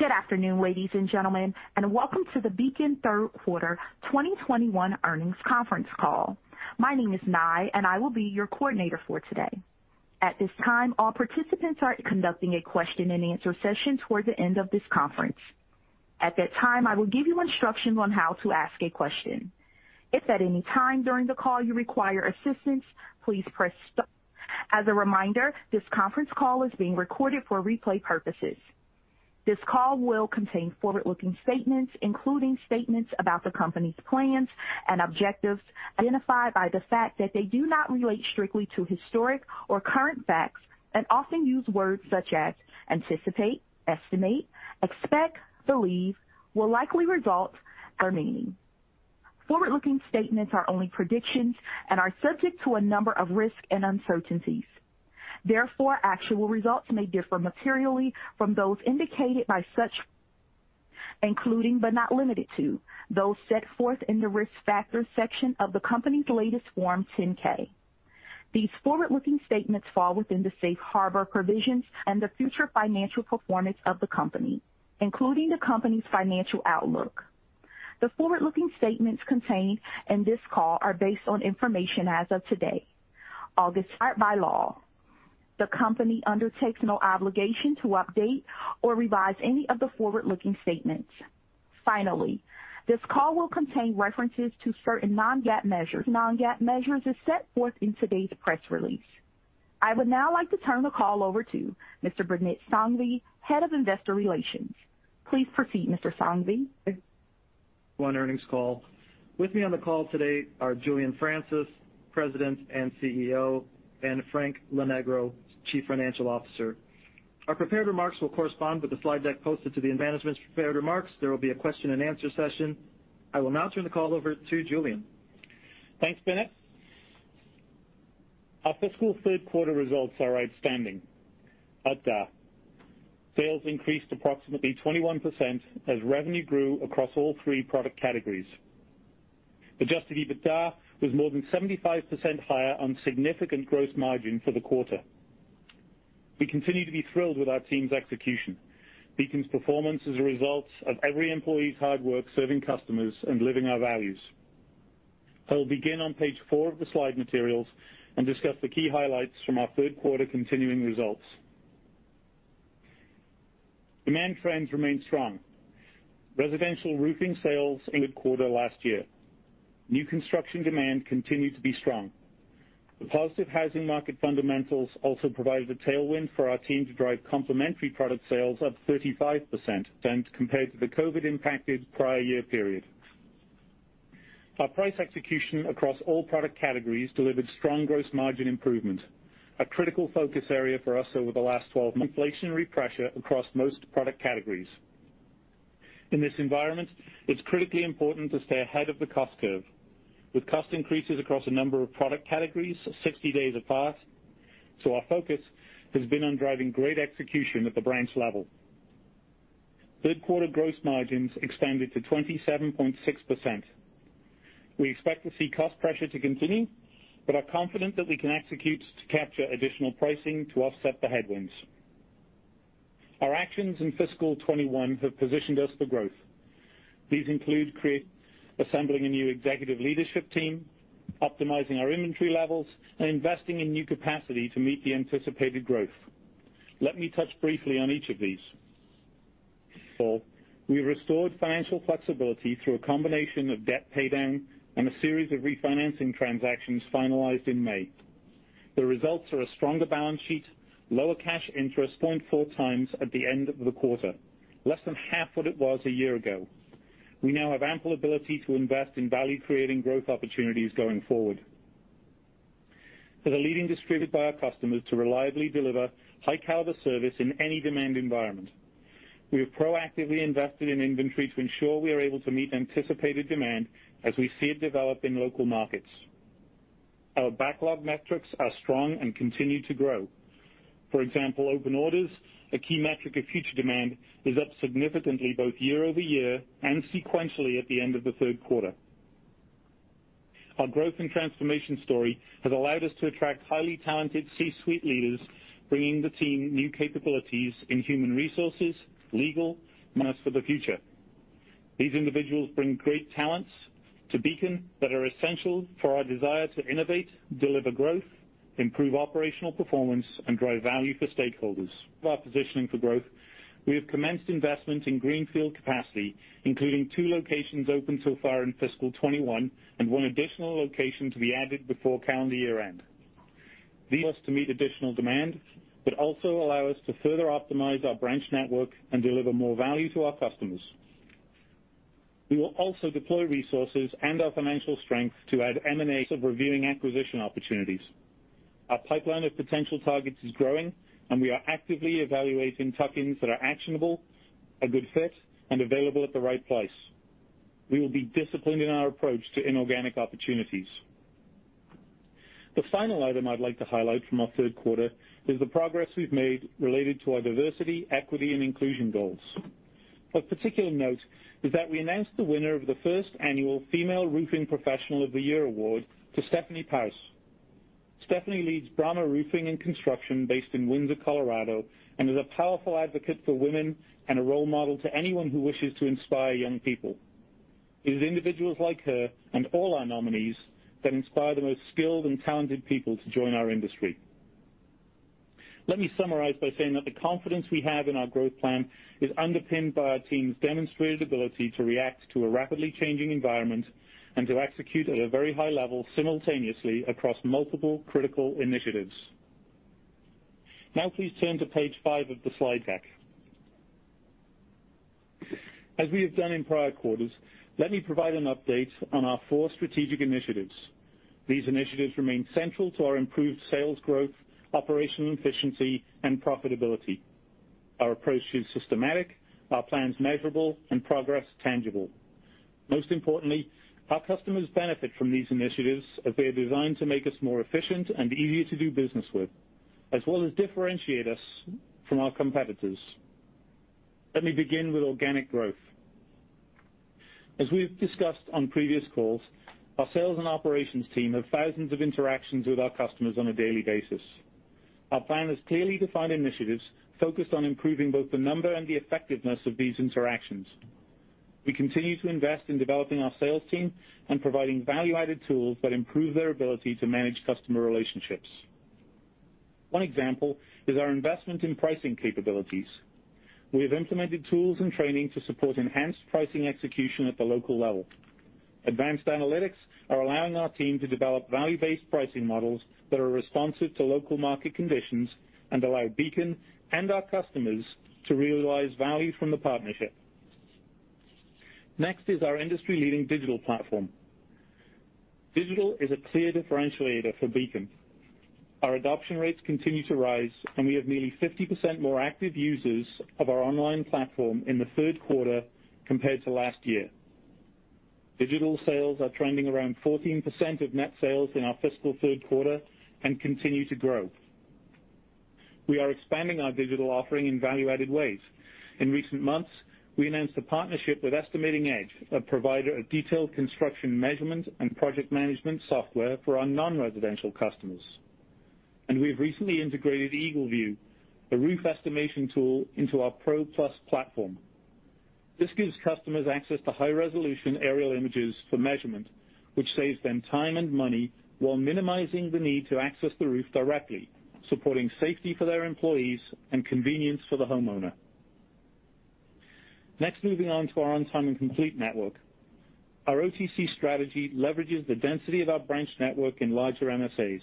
Good afternoon, ladies and gentlemen, and welcome to the Beacon third quarter 2021 earnings conference call. My name is Nye, and I will be your coordinator for today. At this time, all participants are conducting a question-and-answer session toward the end of this conference. At that time, I will give you instructions on how to ask a question. If at any time during the call you require assistance, please press star. As a reminder, this conference call is being recorded for replay purposes. This call will contain forward-looking statements, including statements about the company's plans and objectives, identified by the fact that they do not relate strictly to historic or current facts, and often use words such as "anticipate," "estimate," "expect," "believe," "will likely result," or "may." Forward-looking statements are only predictions and are subject to a number of risks and uncertainties. Therefore, actual results may differ materially from those indicated by such, including but not limited to, those set forth in the Risk Factors section of the company's latest Form 10-K. These forward-looking statements fall within the safe harbor provisions and the future financial performance of the company, including the company's financial outlook. The forward-looking statements contained in this call are based on information as of today. All described by law. The company undertakes no obligation to update or revise any of the forward-looking statements. Finally, this call will contain references to certain non-GAAP measures. Non-GAAP measures are set forth in today's press release. I would now like to turn the call over to Mr. Binit Sanghvi, Head of Investor Relations. Please proceed, Mr. Sanghvi. On earnings call. With me on the call today are Julian Francis, President and CEO, and Frank Lonegro, Chief Financial Officer. Our prepared remarks will correspond with the slide deck posted to the and management's prepared remarks. There will be a question-and-answer session. I will now turn the call over to Julian. Thanks, Binit. Our fiscal third quarter results are outstanding. At the sales increased approximately 21% as revenue grew across all three product categories. Adjusted EBITDA was more than 75% higher on significant gross margin for the quarter. We continue to be thrilled with our team's execution. Beacon's performance is a result of every employee's hard work serving customers and living our values. I will begin on page four of the slide materials and discuss the key highlights from our third quarter continuing results. Demand trends remain strong. Residential roofing sales in the quarter last year. New construction demand continued to be strong. The positive housing market fundamentals also provided a tailwind for our team to drive complementary product sales up 35% compared to the COVID-impacted prior year period. Our price execution across all product categories delivered strong gross margin improvement, a critical focus area for us over the last 12 months. Inflationary pressure across most product categories. In this environment, it's critically important to stay ahead of the cost curve. With cost increases across a number of product categories 60 days apart, our focus has been on driving great execution at the branch level. Third quarter gross margins expanded to 27.6%. We expect to see cost pressure to continue, but are confident that we can execute to capture additional pricing to offset the headwinds. Our actions in fiscal 2021 have positioned us for growth. These include assembling a new executive leadership team, optimizing our inventory levels, and investing in new capacity to meet the anticipated growth. Let me touch briefly on each of these. Four, we restored financial flexibility through a combination of debt paydown and a series of refinancing transactions finalized in May. The results are a stronger balance sheet, lower cash interest 0.4x at the end of the quarter, less than half what it was a year ago. We now have ample ability to invest in value-creating growth opportunities going forward. As a leading distributor, our customers to reliably deliver high-caliber service in any demand environment. We have proactively invested in inventory to ensure we are able to meet anticipated demand as we see it develop in local markets. Our backlog metrics are strong and continue to grow. For example, open orders, a key metric of future demand, is up significantly both year-over-year and sequentially at the end of the third quarter. Our growth and transformation story has allowed us to attract highly talented C-suite leaders, bringing the team new capabilities in human resources, legal, and us for the future. These individuals bring great talents to Beacon that are essential for our desire to innovate, deliver growth, improve operational performance, and drive value for stakeholders. Our positioning for growth, we have commenced investment in greenfield capacity, including two locations opened so far in fiscal 2021 and one additional location to be added before calendar year-end. These us to meet additional demand, but also allow us to further optimize our branch network and deliver more value to our customers. We will also deploy resources and our financial strength to add M&A of reviewing acquisition opportunities. Our pipeline of potential targets is growing, and we are actively evaluating tuck-ins that are actionable, a good fit, and available at the right price. We will be disciplined in our approach to inorganic opportunities. The final item I'd like to highlight from our third quarter is the progress we've made related to our diversity, equity, and inclusion goals. Of particular note is that we announced the winner of the first annual Female Roofing Professional of the Year Award to Stephanie Pouse. Stephanie leads Brahma Roofing & Construction based in Windsor, Colorado, and is a powerful advocate for women and a role model to anyone who wishes to inspire young people. It is individuals like her and all our nominees that inspire the most skilled and talented people to join our industry. Let me summarize by saying that the confidence we have in our growth plan is underpinned by our team's demonstrated ability to react to a rapidly changing environment and to execute at a very high level simultaneously across multiple critical initiatives. Please turn to page five of the slide deck. As we have done in prior quarters, let me provide an update on our four strategic initiatives. These initiatives remain central to our improved sales growth, operational efficiency, and profitability. Our approach is systematic, our plans measurable, and progress tangible. Most importantly, our customers benefit from these initiatives as they are designed to make us more efficient and easier to do business with, as well as differentiate us from our competitors. Let me begin with organic growth. As we've discussed on previous calls, our sales and operations team have thousands of interactions with our customers on a daily basis. Our plan has clearly defined initiatives focused on improving both the number and the effectiveness of these interactions. We continue to invest in developing our sales team and providing value-added tools that improve their ability to manage customer relationships. One example is our investment in pricing capabilities. We have implemented tools and training to support enhanced pricing execution at the local level. Advanced analytics are allowing our team to develop value-based pricing models that are responsive to local market conditions and allow Beacon and our customers to realize value from the partnership. Next is our industry-leading digital platform. Digital is a clear differentiator for Beacon. Our adoption rates continue to rise, and we have nearly 50% more active users of our online platform in the third quarter compared to last year. Digital sales are trending around 14% of net sales in our fiscal third quarter and continue to grow. We are expanding our digital offering in value-added ways. In recent months, we announced a partnership with Estimating Edge, a provider of detailed construction measurement and project management software for our non-residential customers. We've recently integrated EagleView, a roof estimation tool, into our PRO+ platform. This gives customers access to high-resolution aerial images for measurement, which saves them time and money while minimizing the need to access the roof directly, supporting safety for their employees and convenience for the homeowner. Next, moving on to our On-Time and Complete network. Our OTC strategy leverages the density of our branch network in larger MSAs.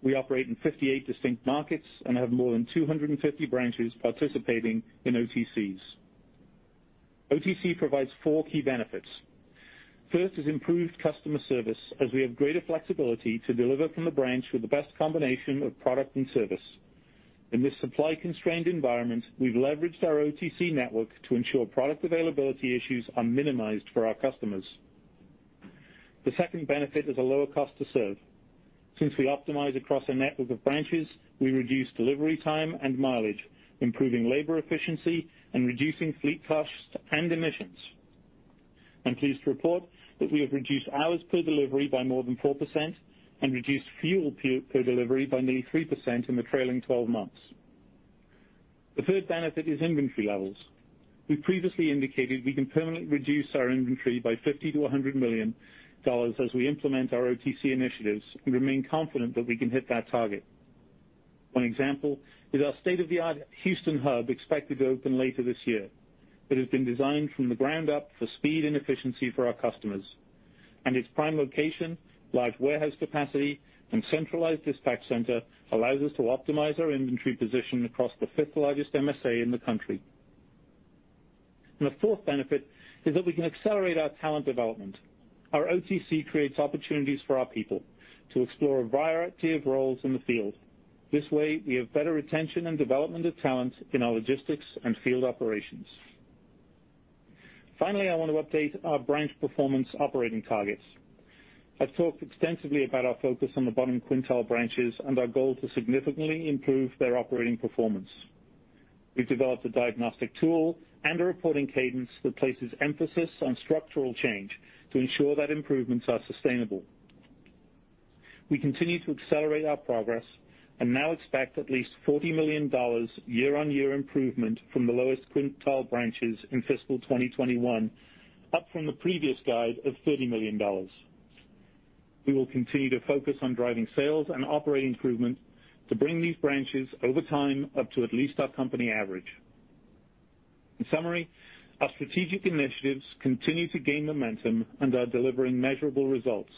We operate in 58 distinct markets and have more than 250 branches participating in OTCs. OTC provides four key benefits. First is improved customer service as we have greater flexibility to deliver from the branch with the best combination of product and service. In this supply-constrained environment, we've leveraged our OTC network to ensure product availability issues are minimized for our customers. The second benefit is a lower cost to serve. Since we optimize across a network of branches, we reduce delivery time and mileage, improving labor efficiency and reducing fleet costs and emissions. I'm pleased to report that we have reduced hours per delivery by more than 4% and reduced fuel per delivery by nearly 3% in the trailing 12 months. The third benefit is inventory levels. We previously indicated we can permanently reduce our inventory by $50 million-$100 million as we implement our OTC initiatives and remain confident that we can hit that target. One example is our state-of-the-art Houston hub expected to open later this year. It has been designed from the ground up for speed and efficiency for our customers. Its prime location, large warehouse capacity, and centralized dispatch center allows us to optimize our inventory position across the fifth largest MSA in the country. The fourth benefit is that we can accelerate our talent development. Our OTC creates opportunities for our people to explore a variety of roles in the field. This way, we have better retention and development of talent in our logistics and field operations. Finally, I want to update our branch performance operating targets. I've talked extensively about our focus on the bottom quintile branches and our goal to significantly improve their operating performance. We've developed a diagnostic tool and a reporting cadence that places emphasis on structural change to ensure that improvements are sustainable. We continue to accelerate our progress and now expect at least $40 million year-on-year improvement from the lowest quintile branches in fiscal 2021, up from the previous guide of $30 million. We will continue to focus on driving sales and operating improvement to bring these branches over time up to at least our company average. In summary, our strategic initiatives continue to gain momentum and are delivering measurable results.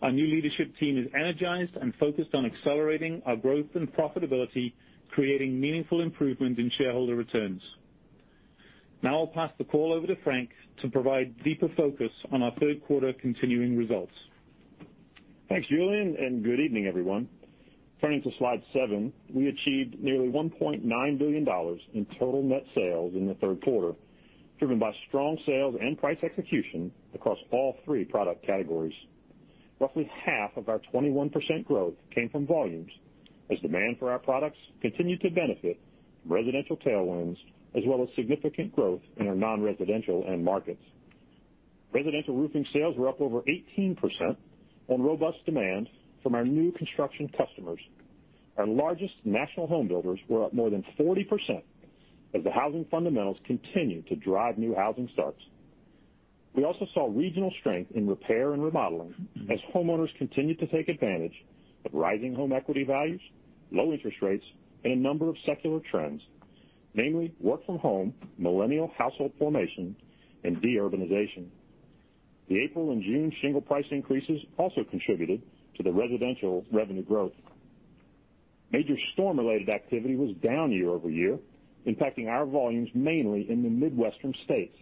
Our new leadership team is energized and focused on accelerating our growth and profitability, creating meaningful improvement in shareholder returns. I'll pass the call over to Frank to provide deeper focus on our third quarter continuing results. Thanks, Julian. Good evening, everyone. Turning to slide seven, we achieved nearly $1.9 billion in total net sales in the third quarter, driven by strong sales and price execution across all three product categories. Roughly half of our 21% growth came from volumes as demand for our products continued to benefit residential tailwinds as well as significant growth in our non-residential end markets. Residential roofing sales were up over 18% on robust demand from our new construction customers. Our largest national home builders were up more than 40% as the housing fundamentals continue to drive new housing starts. We also saw regional strength in repair and remodeling as homeowners continued to take advantage of rising home equity values, low interest rates, and a number of secular trends, mainly work from home, millennial household formation, and de-urbanization. The April and June shingle price increases also contributed to the residential revenue growth. Major storm-related activity was down year-over-year, impacting our volumes mainly in the Midwestern states.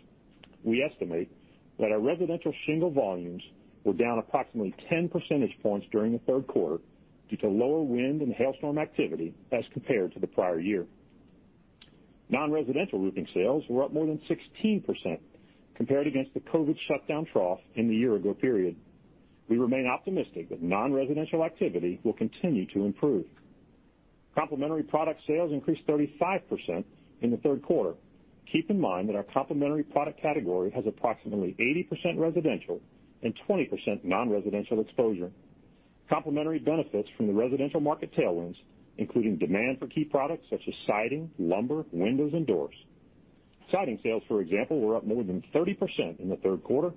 We estimate that our residential shingle volumes were down approximately 10 percentage points during the third quarter due to lower wind and hailstorm activity as compared to the prior year. Non-residential roofing sales were up more than 16% compared against the COVID shutdown trough in the year-ago period. We remain optimistic that non-residential activity will continue to improve. Complementary product sales increased 35% in the third quarter. Keep in mind that our complementary product category has approximately 80% residential and 20% non-residential exposure. Complementary benefits from the residential market tailwinds, including demand for key products such as siding, lumber, windows, and doors. Siding sales, for example, were up more than 30% in the third quarter.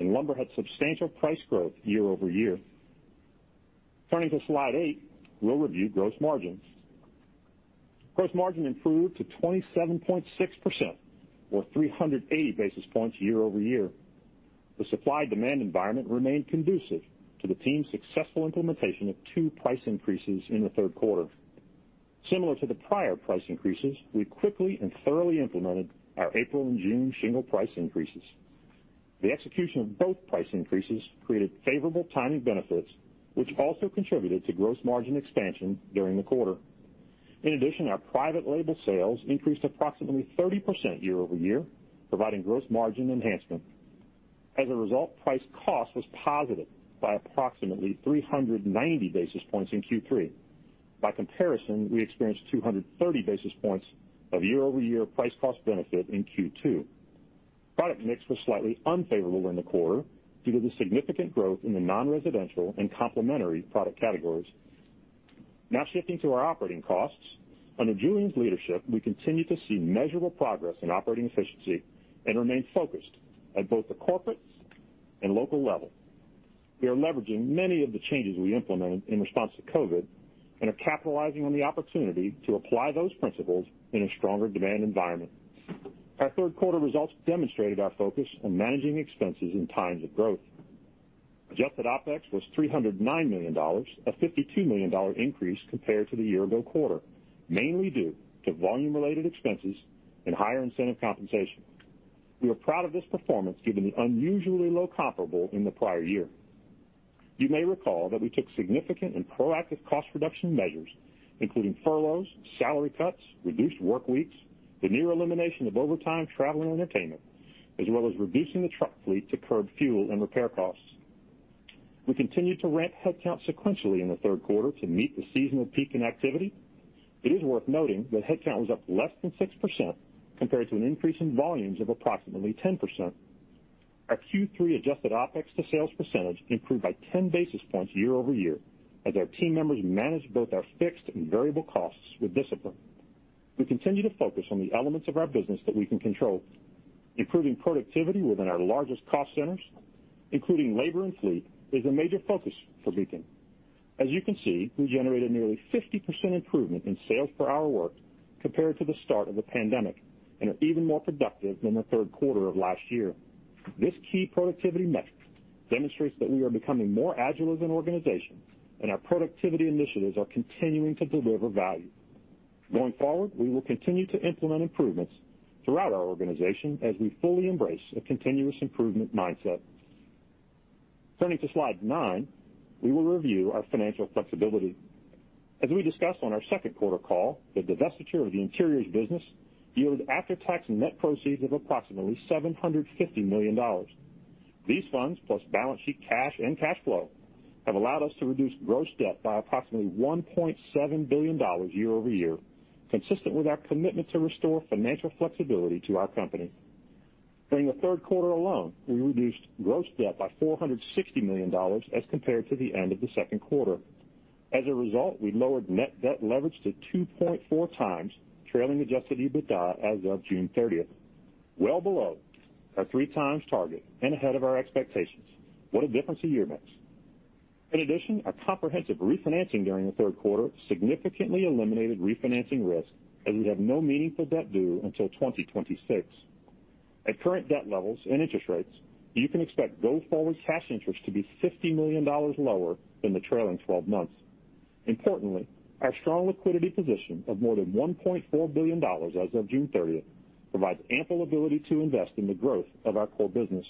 Lumber had substantial price growth year-over-year. Turning to slide eight, we'll review gross margins. Gross margin improved to 27.6%, or 380 basis points year-over-year. The supply-demand environment remained conducive to the team's successful implementation of two price increases in the third quarter. Similar to the prior price increases, we quickly and thoroughly implemented our April and June shingle price increases. The execution of both price increases created favorable timing benefits, which also contributed to gross margin expansion during the quarter. Our private label sales increased approximately 30% year-over-year, providing gross margin enhancement. Price cost was positive by approximately 390 basis points in Q3. We experienced 230 basis points of year-over-year price cost benefit in Q2. Product mix was slightly unfavorable in the quarter due to the significant growth in the non-residential and complementary product categories. Shifting to our operating costs. Under Julian's leadership, we continue to see measurable progress in operating efficiency and remain focused at both the corporate and local level. We are leveraging many of the changes we implemented in response to COVID and are capitalizing on the opportunity to apply those principles in a stronger demand environment. Our third quarter results demonstrated our focus on managing expenses in times of growth. Adjusted OpEx was $309 million, a $52 million increase compared to the year-ago quarter, mainly due to volume-related expenses and higher incentive compensation. We are proud of this performance given the unusually low comparable in the prior year. You may recall that we took significant and proactive cost reduction measures, including furloughs, salary cuts, reduced work weeks, the near elimination of overtime, travel, and entertainment, as well as reducing the truck fleet to curb fuel and repair costs. We continued to ramp headcount sequentially in the third quarter to meet the seasonal peak in activity. It is worth noting that headcount was up less than 6% compared to an increase in volumes of approximately 10%. Our Q3 adjusted OpEx to sales percentage improved by 10 basis points year-over-year as our team members managed both our fixed and variable costs with discipline. We continue to focus on the elements of our business that we can control. Improving productivity within our largest cost centers, including labor and fleet, is a major focus for Beacon. As you can see, we generated nearly 50% improvement in sales per hour worked compared to the start of the pandemic and are even more productive than the third quarter of last year. This key productivity metric demonstrates that we are becoming more agile as an organization and our productivity initiatives are continuing to deliver value. Going forward, we will continue to implement improvements throughout our organization as we fully embrace a continuous improvement mindset. Turning to slide nine, we will review our financial flexibility. As we discussed on our second quarter call, the divestiture of the interiors business yielded after-tax net proceeds of approximately $750 million. These funds, plus balance sheet cash and cash flow, have allowed us to reduce gross debt by approximately $1.7 billion year-over-year, consistent with our commitment to restore financial flexibility to our company. During the third quarter alone, we reduced gross debt by $460 million as compared to the end of the second quarter. As a result, we lowered net debt leverage to 2.4x trailing adjusted EBITDA as of June 30th, well below our 3x target and ahead of our expectations. What a difference a year makes. In addition, our comprehensive refinancing during the third quarter significantly eliminated refinancing risk, as we have no meaningful debt due until 2026. At current debt levels and interest rates, you can expect go-forward cash interest to be $50 million lower than the trailing 12 months. Importantly, our strong liquidity position of more than $1.4 billion as of June 30th provides ample ability to invest in the growth of our core business.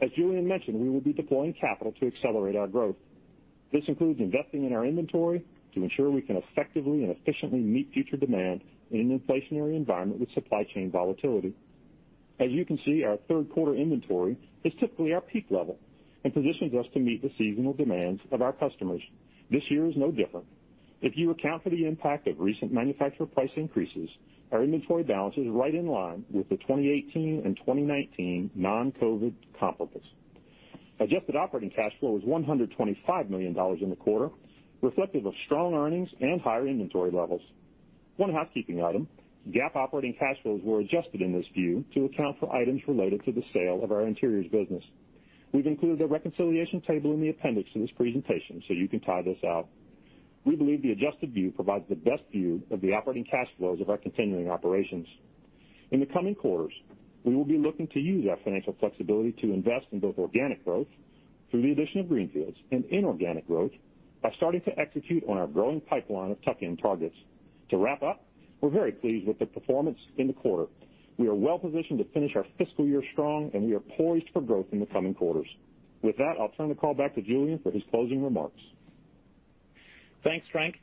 As Julian mentioned, we will be deploying capital to accelerate our growth. This includes investing in our inventory to ensure we can effectively and efficiently meet future demand in an inflationary environment with supply chain volatility. As you can see, our third quarter inventory is typically our peak level and positions us to meet the seasonal demands of our customers. This year is no different. If you account for the impact of recent manufacturer price increases, our inventory balance is right in line with the 2018 and 2019 non-COVID comparables. Adjusted operating cash flow was $125 million in the quarter, reflective of strong earnings and higher inventory levels. One housekeeping item, GAAP operating cash flows were adjusted in this view to account for items related to the sale of our interiors business. We've included a reconciliation table in the appendix in this presentation, so you can tie this out. We believe the adjusted view provides the best view of the operating cash flows of our continuing operations. In the coming quarters, we will be looking to use our financial flexibility to invest in both organic growth through the addition of greenfields and inorganic growth by starting to execute on our growing pipeline of tuck-in targets. To wrap up, we're very pleased with the performance in the quarter. We are well-positioned to finish our fiscal year strong, and we are poised for growth in the coming quarters. With that, I'll turn the call back to Julian for his closing remarks. Thanks, Frank.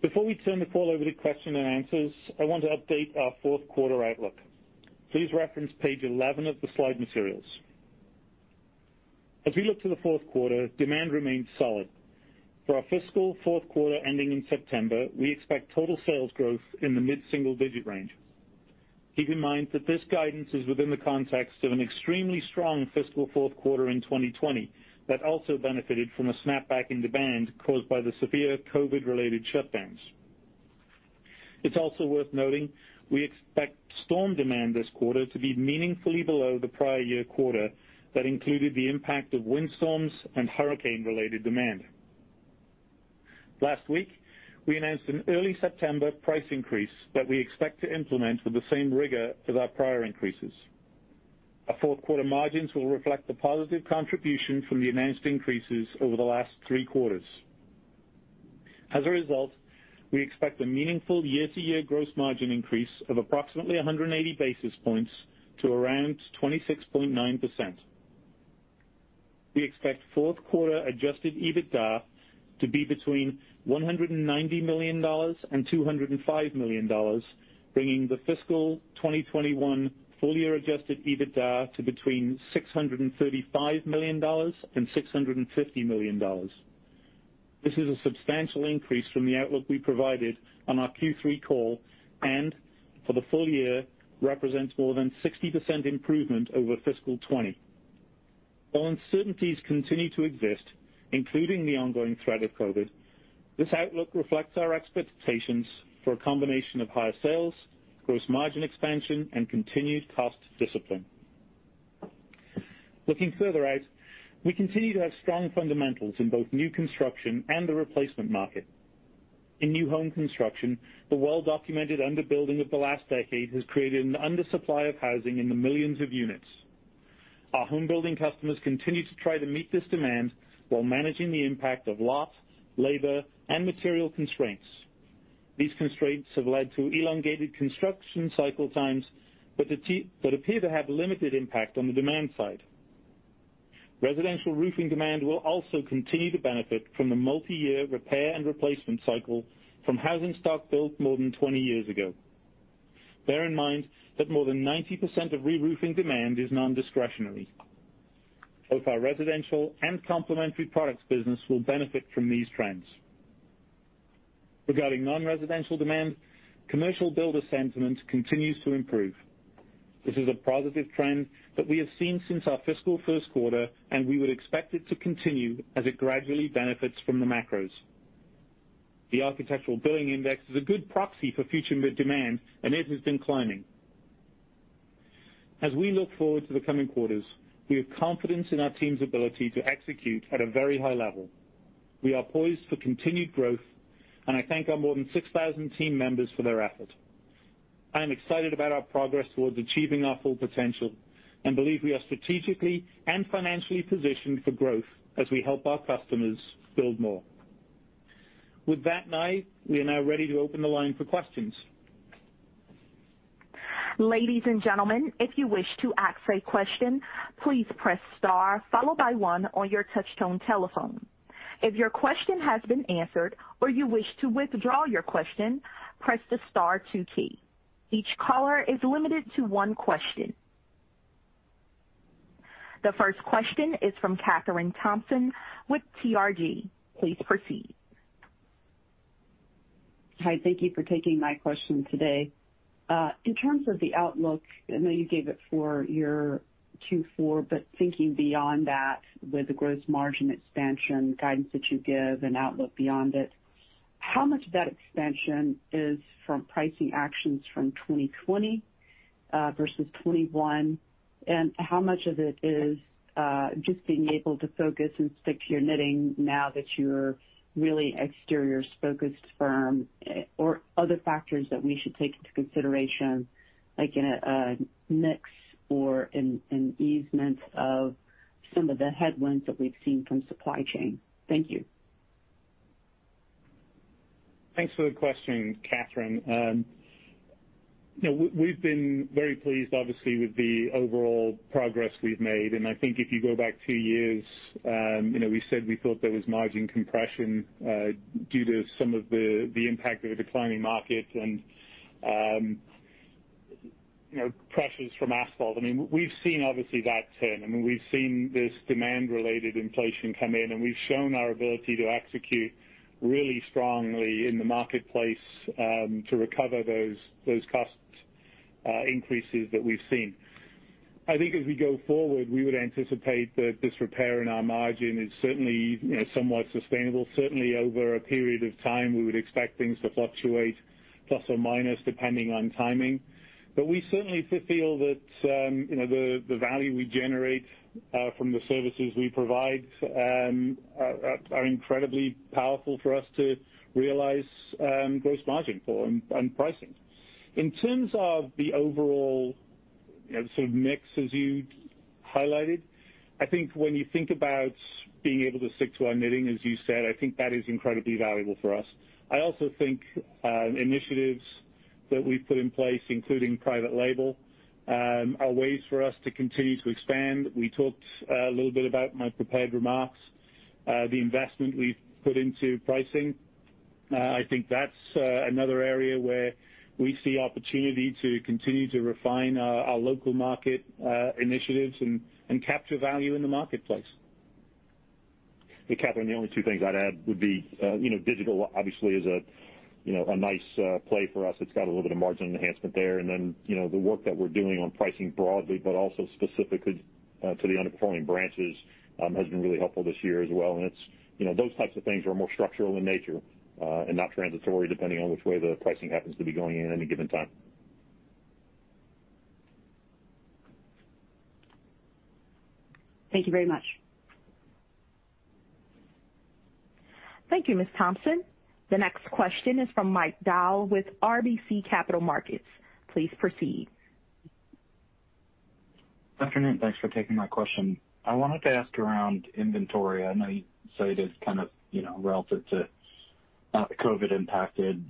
Before we turn the call over to question and answers, I want to update our fourth quarter outlook. Please reference page 11 of the slide materials. As we look to the fourth quarter, demand remains solid. For our fiscal fourth quarter ending in September, we expect total sales growth in the mid-single-digit range. Keep in mind that this guidance is within the context of an extremely strong fiscal fourth quarter in 2020 that also benefited from a snapback in demand caused by the severe COVID-related shutdowns. It's also worth noting, we expect storm demand this quarter to be meaningfully below the prior year quarter that included the impact of windstorms and hurricane-related demand. Last week, we announced an early September price increase that we expect to implement with the same rigor as our prior increases. Our fourth quarter margins will reflect the positive contribution from the announced increases over the last three quarters. As a result, we expect a meaningful year-to-year gross margin increase of approximately 180 basis points to around 26.9%. We expect fourth quarter adjusted EBITDA to be between $190 million and $205 million, bringing the fiscal 2021 full-year adjusted EBITDA to between $635 million and $650 million. This is a substantial increase from the outlook we provided on our Q3 call and for the full year represents more than 60% improvement over fiscal 2020. While uncertainties continue to exist, including the ongoing threat of COVID, this outlook reflects our expectations for a combination of higher sales, gross margin expansion, and continued cost discipline. Looking further out, we continue to have strong fundamentals in both new construction and the replacement market. In new home construction, the well-documented under-building of the last decade has created an undersupply of housing in the millions of units. Our home building customers continue to try to meet this demand while managing the impact of lot, labor, and material constraints. These constraints have led to elongated construction cycle times, but appear to have limited impact on the demand side. Residential roofing demand will also continue to benefit from the multi-year repair and replacement cycle from housing stock built more than 20 years ago. Bear in mind that more than 90% of re-roofing demand is non-discretionary. Both our residential and complementary products business will benefit from these trends. Regarding non-residential demand, commercial builder sentiment continues to improve. This is a positive trend that we have seen since our fiscal first quarter, and we would expect it to continue as it gradually benefits from the macros. The Architecture Billings Index is a good proxy for future demand, and it has been climbing. As we look forward to the coming quarters, we have confidence in our team's ability to execute at a very high level. We are poised for continued growth, and I thank our more than 6,000 team members for their effort. I am excited about our progress towards achieving our full potential and believe we are strategically and financially positioned for growth as we help our customers build more. With that, Nye, we are now ready to open the line for questions. The first question is from Kathryn Thompson with TRG. Please proceed. Hi. Thank you for taking my question today. In terms of the outlook, I know you gave it for your Q4, but thinking beyond that with the gross margin expansion guidance that you give and outlook beyond it, how much of that expansion is from pricing actions from 2020 versus 2021? How much of it is just being able to focus and stick to your knitting now that you're really an exteriors-focused firm? Other factors that we should take into consideration, like a mix or an easement of some of the headwinds that we've seen from supply chain. Thank you. Thanks for the question, Kathryn. We've been very pleased, obviously, with the overall progress we've made, and I think if you go back two years, we said we thought there was margin compression due to some of the impact of a declining market and pressures from asphalt. We've seen, obviously, that turn. We've seen this demand-related inflation come in, and we've shown our ability to execute really strongly in the marketplace to recover those cost increases that we've seen. I think as we go forward, we would anticipate that this repair in our margin is certainly somewhat sustainable. Certainly over a period of time, we would expect things to fluctuate plus or minus depending on timing. We certainly feel that the value we generate from the services we provide are incredibly powerful for us to realize gross margin for and pricing. In terms of the overall sort of mix as you highlighted, I think when you think about being able to stick to our knitting, as you said, I think that is incredibly valuable for us. I also think initiatives that we've put in place, including private label, are ways for us to continue to expand. We talked a little bit about my prepared remarks, the investment we've put into pricing. I think that's another area where we see opportunity to continue to refine our local market initiatives and capture value in the marketplace. Hey, Kathryn, the only two things I'd add would be digital obviously is a nice play for us. It's got a little bit of margin enhancement there. The work that we're doing on pricing broadly, but also specifically to the underperforming branches has been really helpful this year as well. Those types of things are more structural in nature and not transitory depending on which way the pricing happens to be going in any given time. Thank you very much. Thank you, Ms. Thompson. The next question is from Mike Dahl with RBC Capital Markets. Please proceed. Good afternoon. Thanks for taking my question. I wanted to ask around inventory. I know you say it is kind of relative to not the COVID impacted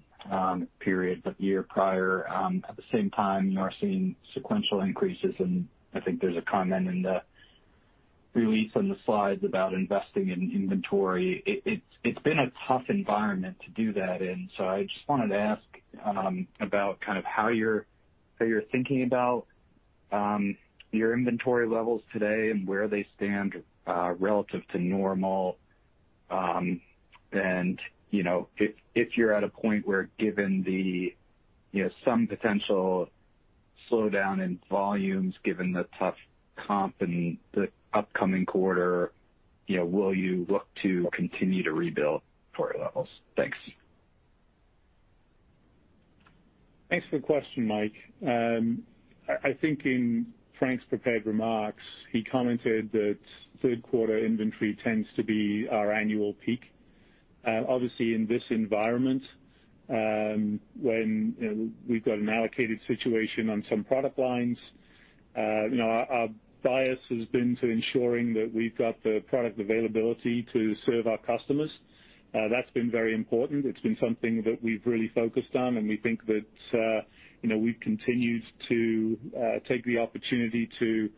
periods a year prior. At the same time, you are seeing sequential increases, and I think there's a comment in the release on the slides about investing in inventory. It's been a tough environment to do that in. I just wanted to ask about how you're thinking about your inventory levels today and where they stand relative to normal. If you're at a point where given some potential slowdown in volumes given the tough comp in the upcoming quarter, will you look to continue to rebuild inventory levels? Thanks. Thanks for the question, Mike. I think in Frank's prepared remarks, he commented that third quarter inventory tends to be our annual peak. Obviously, in this environment, when we've got an allocated situation on some product lines, our bias has been to ensuring that we've got the product availability to serve our customers. That's been very important. It's been something that we've really focused on, and we think that we've continued to take the opportunity to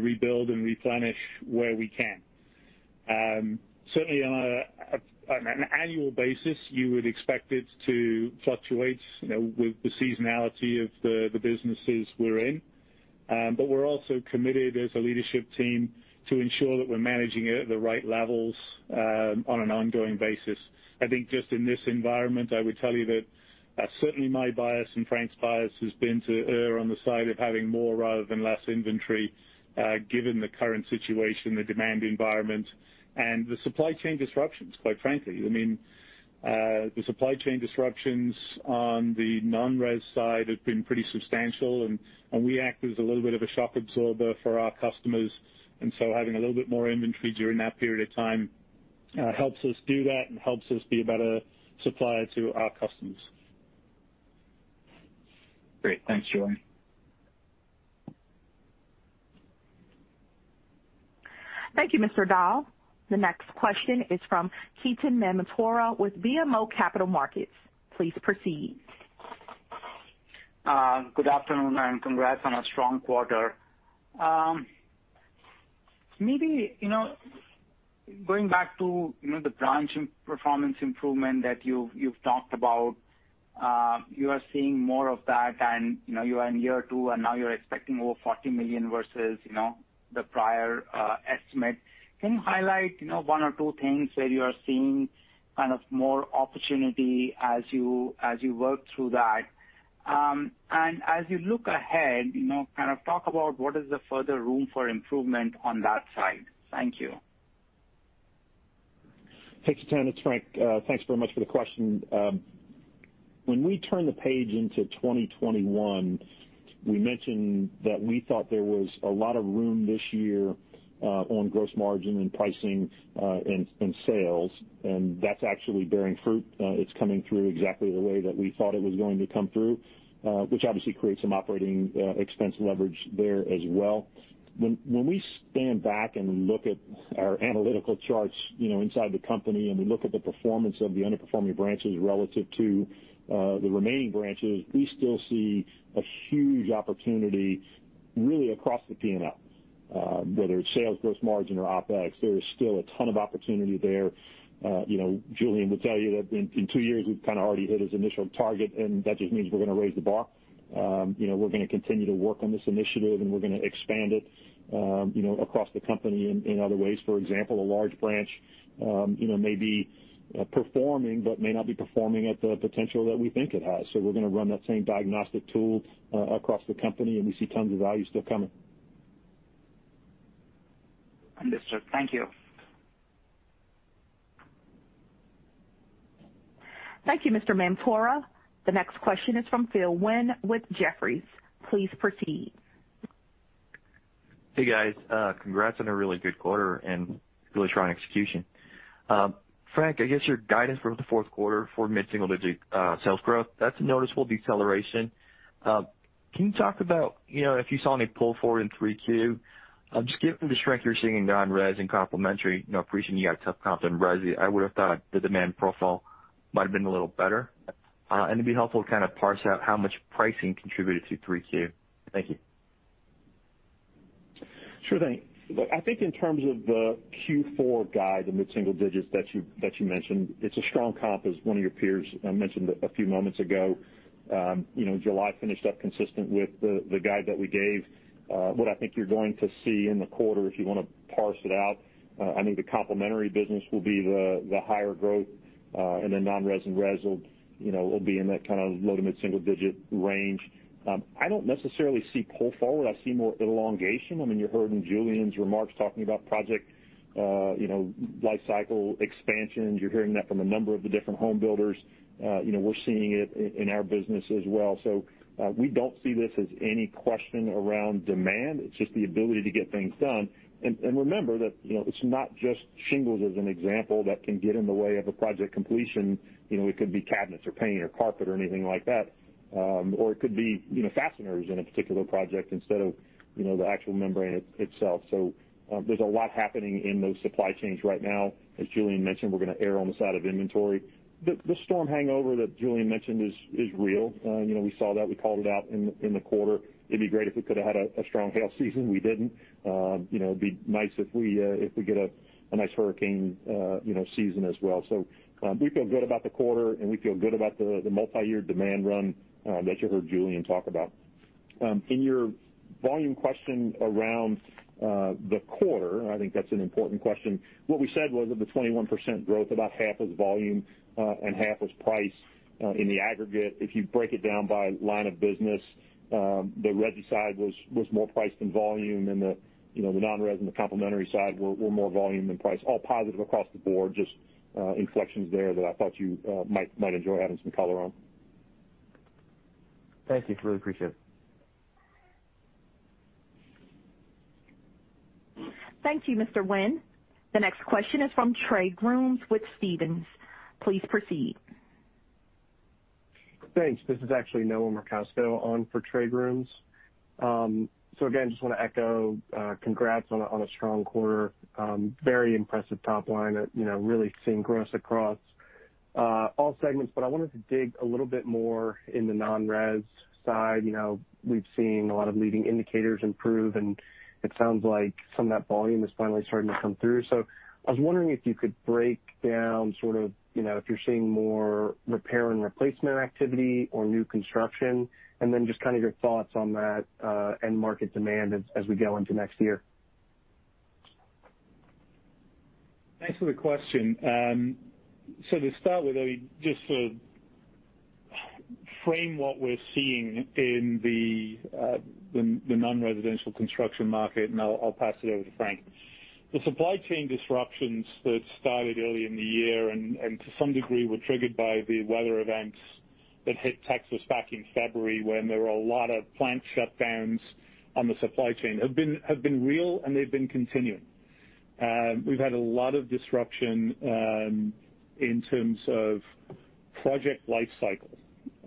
rebuild and replenish where we can. Certainly on an annual basis, you would expect it to fluctuate with the seasonality of the businesses we're in. We're also committed as a leadership team to ensure that we're managing it at the right levels on an ongoing basis. I think just in this environment, I would tell you that certainly my bias and Frank's bias has been to err on the side of having more rather than less inventory, given the current situation, the demand environment, and the supply chain disruptions, quite frankly. The supply chain disruptions on the non-res side have been pretty substantial, and we act as a little bit of a shock absorber for our customers. Having a little bit more inventory during that period of time helps us do that and helps us be a better supplier to our customers. Great. Thanks, Julian. Thank you, Mr. Dahl. The next question is from Ketan Mamtora with BMO Capital Markets. Please proceed. Good afternoon. Congrats on a strong quarter. Maybe going back to the branch performance improvement that you've talked about, you are seeing more of that and you are in year two. Now you're expecting over $40 million versus the prior estimate. Can you highlight one or two things where you are seeing kind of more opportunity as you work through that? As you look ahead, kind of talk about what is the further room for improvement on that side. Thank you. Hey, Ketan, it's Frank. Thanks very much for the question. When we turned the page into 2021, we mentioned that we thought there was a lot of room this year on gross margin and pricing and sales, and that's actually bearing fruit. It's coming through exactly the way that we thought it was going to come through, which obviously creates some operating expense leverage there as well. When we stand back and look at our analytical charts inside the company, and we look at the performance of the underperforming branches relative to the remaining branches, we still see a huge opportunity really across the P&L. Whether it's sales, gross margin or OpEx, there is still a ton of opportunity there. Julian will tell you that in two years, we've already hit his initial target, and that just means we're going to raise the bar. We're going to continue to work on this initiative, and we're going to expand it across the company in other ways. For example, a large branch may be performing, but may not be performing at the potential that we think it has. We're going to run that same diagnostic tool across the company, and we see tons of value still coming. Understood. Thank you. Thank you, Mr. Mamtora. The next question is from Phil Ng with Jefferies. Please proceed. Hey, guys. Congrats on a really good quarter and really strong execution. Frank, I guess your guidance for the fourth quarter for mid-single-digit sales growth, that's a noticeable deceleration. Can you talk about if you saw any pull forward in Q3? Just given the strength you're seeing in non-res and complementary, appreciating you got tough comp in resi, I would have thought the demand profile might have been a little better. It'd be helpful to kind of parse out how much pricing contributed to Q3. Thank you. Sure thing. I think in terms of the Q4 guide, the mid-single digits that you mentioned, it's a strong comp, as one of your peers mentioned a few moments ago. July finished up consistent with the guide that we gave. What I think you're going to see in the quarter, if you want to parse it out, I think the complementary business will be the higher growth, and then non-res and res will be in that low- to mid-single digit range. I don't necessarily see pull forward. I see more elongation. You heard in Julian's remarks talking about project life cycle expansions. You're hearing that from a number of the different home builders. We're seeing it in our business as well. We don't see this as any question around demand. It's just the ability to get things done. Remember that it's not just shingles as an example that can get in the way of a project completion. It could be cabinets or paint or carpet or anything like that. It could be fasteners in a particular project instead of the actual membrane itself. There's a lot happening in those supply chains right now. As Julian mentioned, we're going to err on the side of inventory. The storm hangover that Julian mentioned is real. We saw that. We called it out in the quarter. It'd be great if we could have had a strong hail season. We didn't. It'd be nice if we get a nice hurricane season as well. We feel good about the quarter, and we feel good about the multi-year demand run that you heard Julian talk about. In your volume question around the quarter, and I think that's an important question, what we said was of the 21% growth, about half is volume, and half is price in the aggregate. If you break it down by line of business, the resi side was more price than volume, and the non-resi and the complementary side were more volume than price. All positive across the board, just inflections there that I thought you might enjoy having some color on. Thank you. Really appreciate it. Thank you, Mr. Ng. The next question is from Trey Grooms with Stephens. Please proceed. Thanks. This is actually Noah Merkousko on for Trey Grooms. Again, just want to echo congrats on a strong quarter. Very impressive top line. Really seeing growth across all segments, but I wanted to dig a little bit more in the non-res side. We've seen a lot of leading indicators improve, and it sounds like some of that volume is finally starting to come through. I was wondering if you could break down if you're seeing more repair and replacement activity or new construction, and then just your thoughts on that, and market demand as we go into next year. Thanks for the question. To start with, just to frame what we're seeing in the non-residential construction market, and I'll pass it over to Frank. The supply chain disruptions that started early in the year, and to some degree, were triggered by the weather events that hit Texas back in February, when there were a lot of plant shutdowns on the supply chain, have been real, and they've been continuing. We've had a lot of disruption in terms of project life cycle.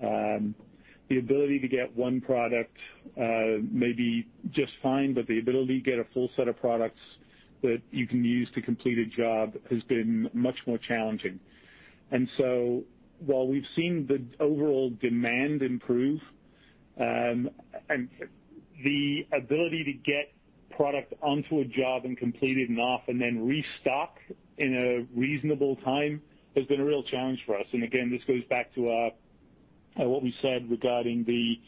The ability to get one product may be just fine, but the ability to get a full set of products that you can use to complete a job has been much more challenging. While we've seen the overall demand improve, the ability to get product onto a job and completed and off, and then restock in a reasonable time has been a real challenge for us. Again, this goes back to what we said regarding the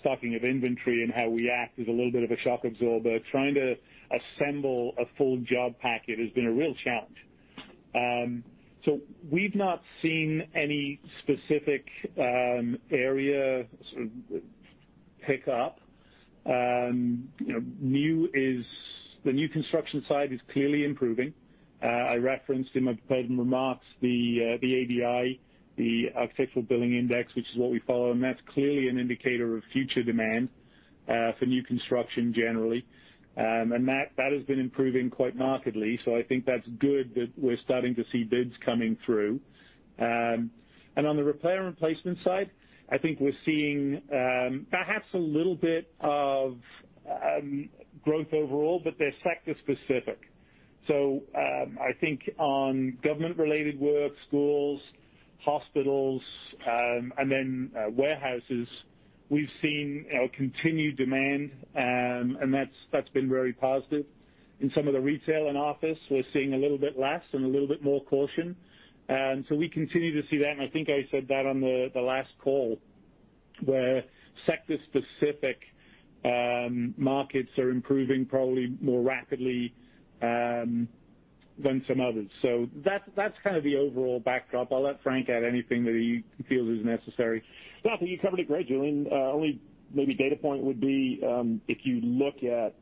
stocking of inventory and how we act as a little bit of a shock absorber. Trying to assemble a full job packet has been a real challenge. We've not seen any specific area pick up. The new construction side is clearly improving. I referenced in my prepared remarks the ABI, the Architecture Billings Index, which is what we follow, that's clearly an indicator of future demand for new construction generally. That has been improving quite markedly. I think that's good that we're starting to see bids coming through. On the repair and replacement side, I think we're seeing perhaps a little bit of growth overall, but they're sector specific. I think on government-related work, schools, hospitals, and then warehouses, we've seen continued demand, and that's been very positive. In some of the retail and office, we're seeing a little bit less and a little bit more caution. We continue to see that, and I think I said that on the last call, where sector-specific markets are improving probably more rapidly than some others. That's the overall backdrop. I'll let Frank add anything that he feels is necessary. No, I think you covered it great, Julian. Only maybe data point would be, if you look at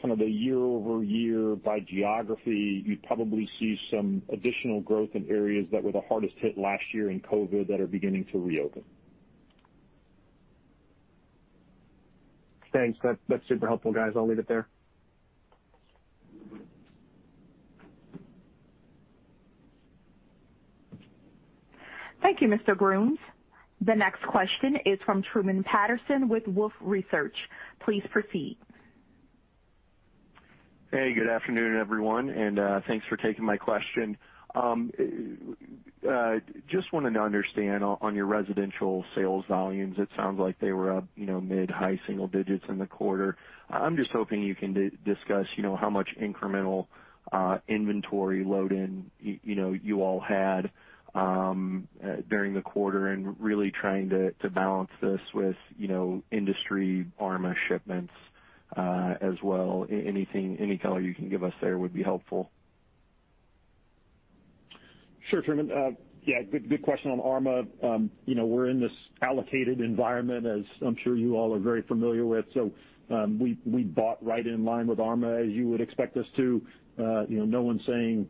kind of the year-over-year by geography, you'd probably see some additional growth in areas that were the hardest hit last year in COVID that are beginning to reopen. Thanks. That's super helpful, guys. I'll leave it there. Thank you, Mr. Grooms. The next question is from Truman Patterson with Wolfe Research. Please proceed. Hey, good afternoon, everyone, and thanks for taking my question. Just wanted to understand on your residential sales volumes, it sounds like they were up mid-high single digits in the quarter. I'm just hoping you can discuss how much incremental inventory load-in you all had during the quarter and really trying to balance this with industry ARMA shipments, as well. Any color you can give us there would be helpful. Sure, Truman. Yeah, good question on ARMA. We are in this allocated environment as I am sure you all are very familiar with. We bought right in line with ARMA as you would expect us to. No one is saying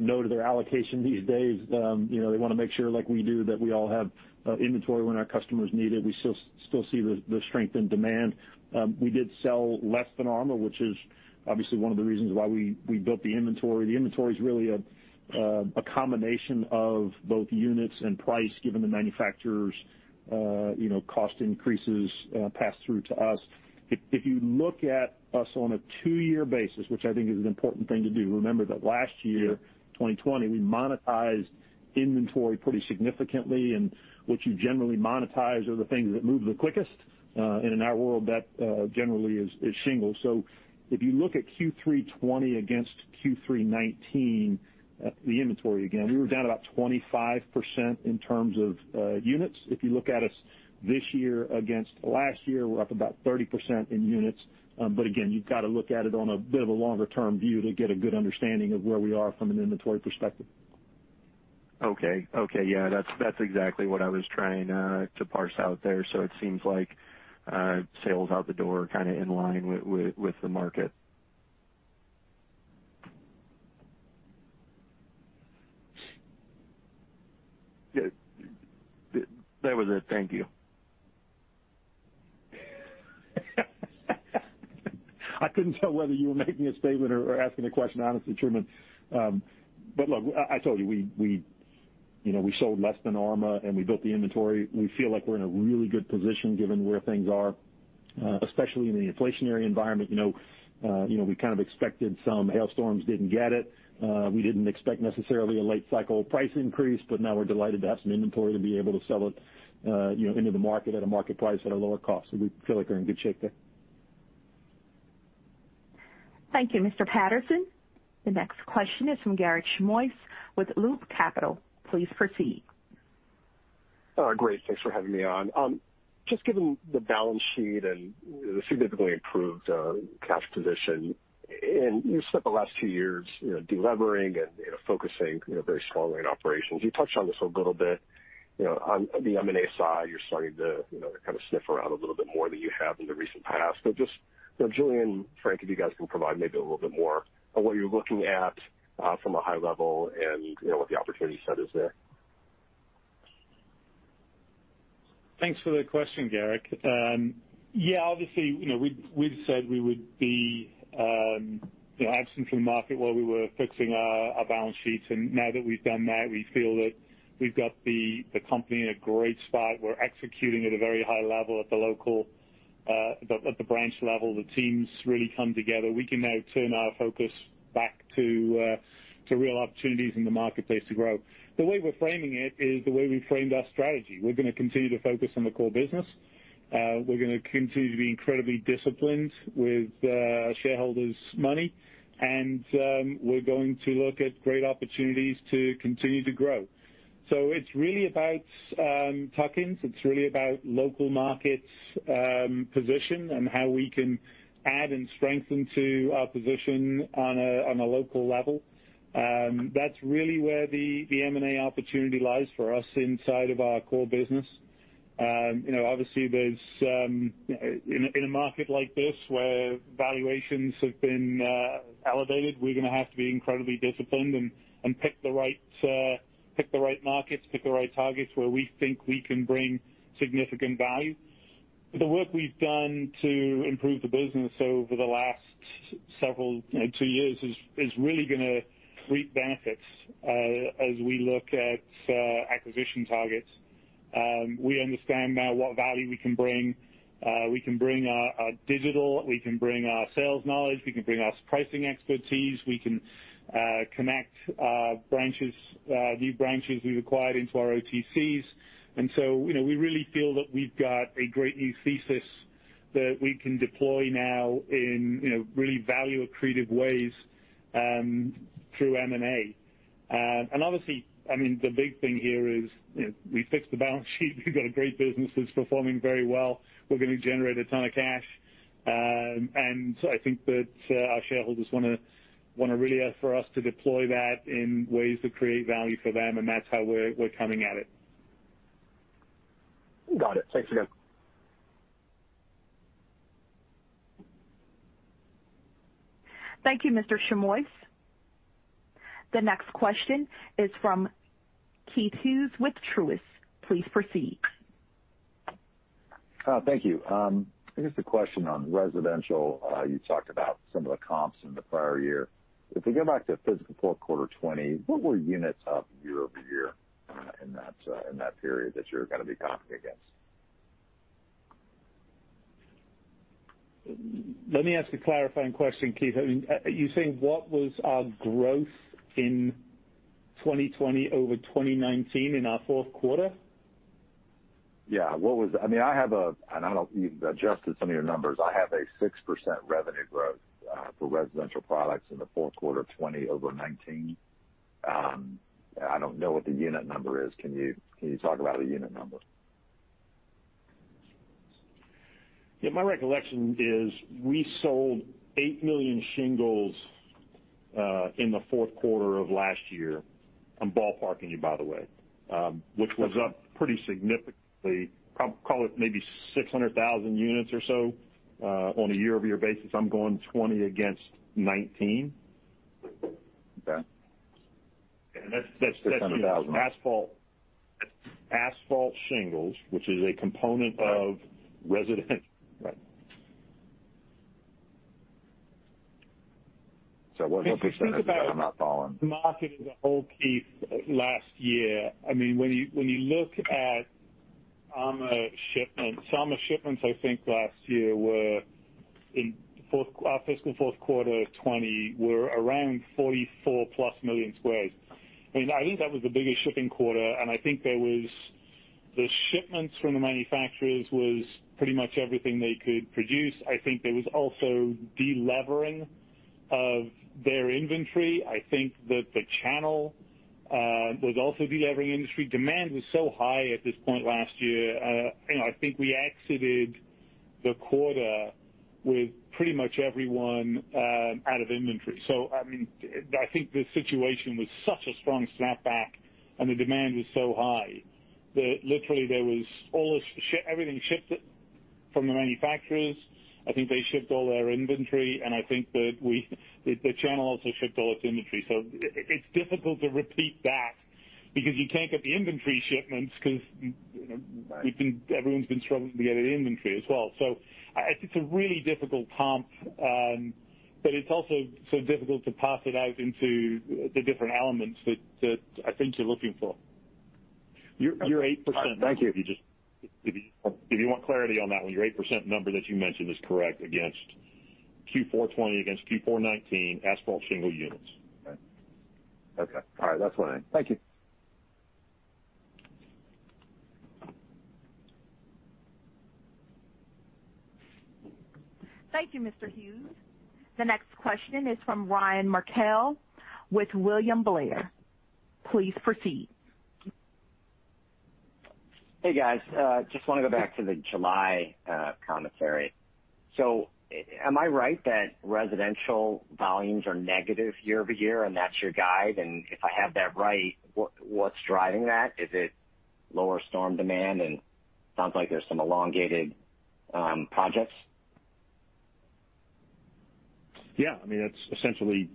no to their allocation these days. They want to make sure, like we do, that we all have inventory when our customers need it. We still see the strength in demand. We did sell less than ARMA, which is obviously one of the reasons why we built the inventory. The inventory is really a combination of both units and price, given the manufacturers' cost increases passed through to us. If you look at us on a two-year basis, which I think is an important thing to do, remember that last year, 2020, we monetized inventory pretty significantly, and what you generally monetize are the things that move the quickest. In our world, that generally is shingles. If you look at Q3 2020 against Q3 2019, the inventory, again, we were down about 25% in terms of units. If you look at us this year against last year, we're up about 30% in units. Again, you've got to look at it on a bit of a longer-term view to get a good understanding of where we are from an inventory perspective. Okay. Yeah. That's exactly what I was trying to parse out there. It seems like sales out the door are kind of in line with the market. That was it. Thank you. I couldn't tell whether you were making a statement or asking a question, honestly, Truman. Look, I told you, we sold less than ARMA, and we built the inventory. We feel like we're in a really good position given where things are, especially in the inflationary environment. We kind of expected some hailstorms, didn't get it. We didn't expect necessarily a late cycle price increase, but now we're delighted to have some inventory to be able to sell it into the market at a market price at a lower cost. We feel like we're in good shape there. Thank you, Mr. Patterson. The next question is from Garik Shmois with Loop Capital. Please proceed. Great. Thanks for having me on. Given the balance sheet and the significantly improved cash position, you've spent the last two years de-levering and focusing very strongly on operations. You touched on this a little bit. On the M&A side, you're starting to kind of sniff around a little bit more than you have in the recent past. Just, Julian, Frank, if you guys can provide maybe a little bit more on what you're looking at from a high level and what the opportunity set is there. Thanks for the question, Garik. Yeah, obviously, we'd said we would be absent from the market while we were fixing our balance sheets. Now that we've done that, we feel that we've got the company in a great spot. We're executing at a very high level at the branch level. The team's really come together. We can now turn our focus back to real opportunities in the marketplace to grow. The way we're framing it is the way we framed our strategy. We're going to continue to focus on the core business. We're going to continue to be incredibly disciplined with shareholders' money, and we're going to look at great opportunities to continue to grow. It's really about tuck-ins. It's really about local markets position and how we can add and strengthen to our position on a local level. That's really where the M&A opportunity lies for us inside of our core business. Obviously, in a market like this where valuations have been elevated, we're going to have to be incredibly disciplined and pick the right markets, pick the right targets where we think we can bring significant value. The work we've done to improve the business over the last two years is really going to reap benefits as we look at acquisition targets. We understand now what value we can bring. We can bring our digital, we can bring our sales knowledge, we can bring our pricing expertise, we can connect new branches we've acquired into our OTCs. We really feel that we've got a great new thesis that we can deploy now in really value-accretive ways through M&A. Obviously, the big thing here is we fixed the balance sheet. We've got a great business that's performing very well. We're going to generate a ton of cash. I think that our shareholders want really for us to deploy that in ways that create value for them, and that's how we're coming at it. Got it. Thanks again. Thank you, Mr. Shmois. The next question is from Keith Hughes with Truist. Please proceed. Thank you. I guess the question on residential, you talked about some of the comps in the prior year. If we go back to fiscal fourth quarter 2020, what were units up year-over-year in that period that you're going to be comping against? Let me ask a clarifying question, Keith. Are you saying what was our growth in 2020 over 2019 in our fourth quarter? Yeah. I have and I don't know if you've adjusted some of your numbers. I have a 6% revenue growth for residential products in the fourth quarter of 2020 over 2019. I don't know what the unit number is. Can you talk about the unit number? Yeah. My recollection is we sold 8 million shingles in the fourth quarter of last year. I'm ballparking you, by the way. Which was up pretty significantly, call it maybe 600,000 units or so on a year-over-year basis. I'm going 2020 against 2019. Okay. that's- 600,000 asphalt shingles, which is a component of residential. Right. It was 6% because I'm not following. If you think about the market as a whole, Keith, last year. When you look at ARMA shipments. ARMA shipments, I think, last year were, in our fiscal fourth quarter 2020, were around 44+ million squares. I think that was the biggest shipping quarter. I think the shipments from the manufacturers was pretty much everything they could produce. I think there was also de-levering of their inventory. I think that the channel was also de-levering inventory. Demand was so high at this point last year. I think we exited the quarter with pretty much everyone out of inventory. I think the situation was such a strong snapback, and the demand was so high that literally everything shipped from the manufacturers. I think they shipped all their inventory, and I think that the channel also shipped all its inventory. It's difficult to repeat that because you can't get the inventory shipments because everyone's been struggling to get any inventory as well. I think it's a really difficult comp, but it's also so difficult to parse it out into the different elements that I think you're looking for. Your 8%- Thank you. If you want clarity on that one, your 8% number that you mentioned is correct against Q4 2020 against Q4 2019 asphalt shingle units. Okay. All right. That's what I need. Thank you. Thank you, Mr. Hughes. The next question is from Ryan Merkel with William Blair. Please proceed. Hey, guys. Just want to go back to the July commentary. Am I right that residential volumes are negative year-over-year, and that's your guide? If I have that right, what's driving that? Is it lower storm demand? Sounds like there's some elongated projects. Yeah. Essentially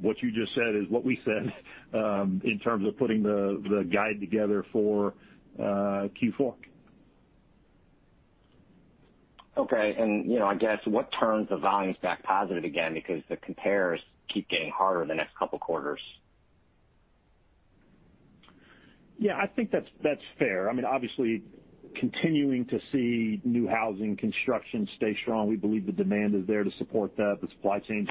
what you just said is what we said in terms of putting the guide together for Q4. Okay. I guess what turns the volumes back positive again, because the compares keep getting harder the next couple quarters. Yeah, I think that's fair. Obviously, continuing to see new housing construction stay strong. We believe the demand is there to support that. The supply chains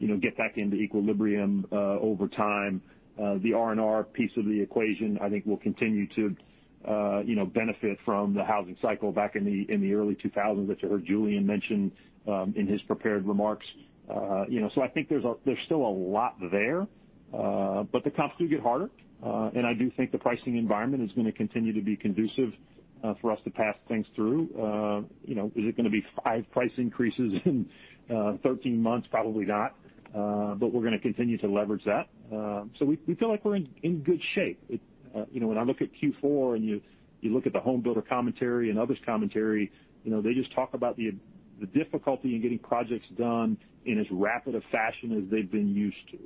will get back into equilibrium over time. The R&R piece of the equation, I think, will continue to benefit from the housing cycle back in the early 2000s that you heard Julian mention in his prepared remarks. I think there's still a lot there. The comps do get harder. I do think the pricing environment is going to continue to be conducive for us to pass things through. Is it going to be five price increases in 13 months? Probably not. We're going to continue to leverage that. We feel like we're in good shape. When I look at Q4 and you look at the home builder commentary and others' commentary, they just talk about the difficulty in getting projects done in as rapid a fashion as they've been used to.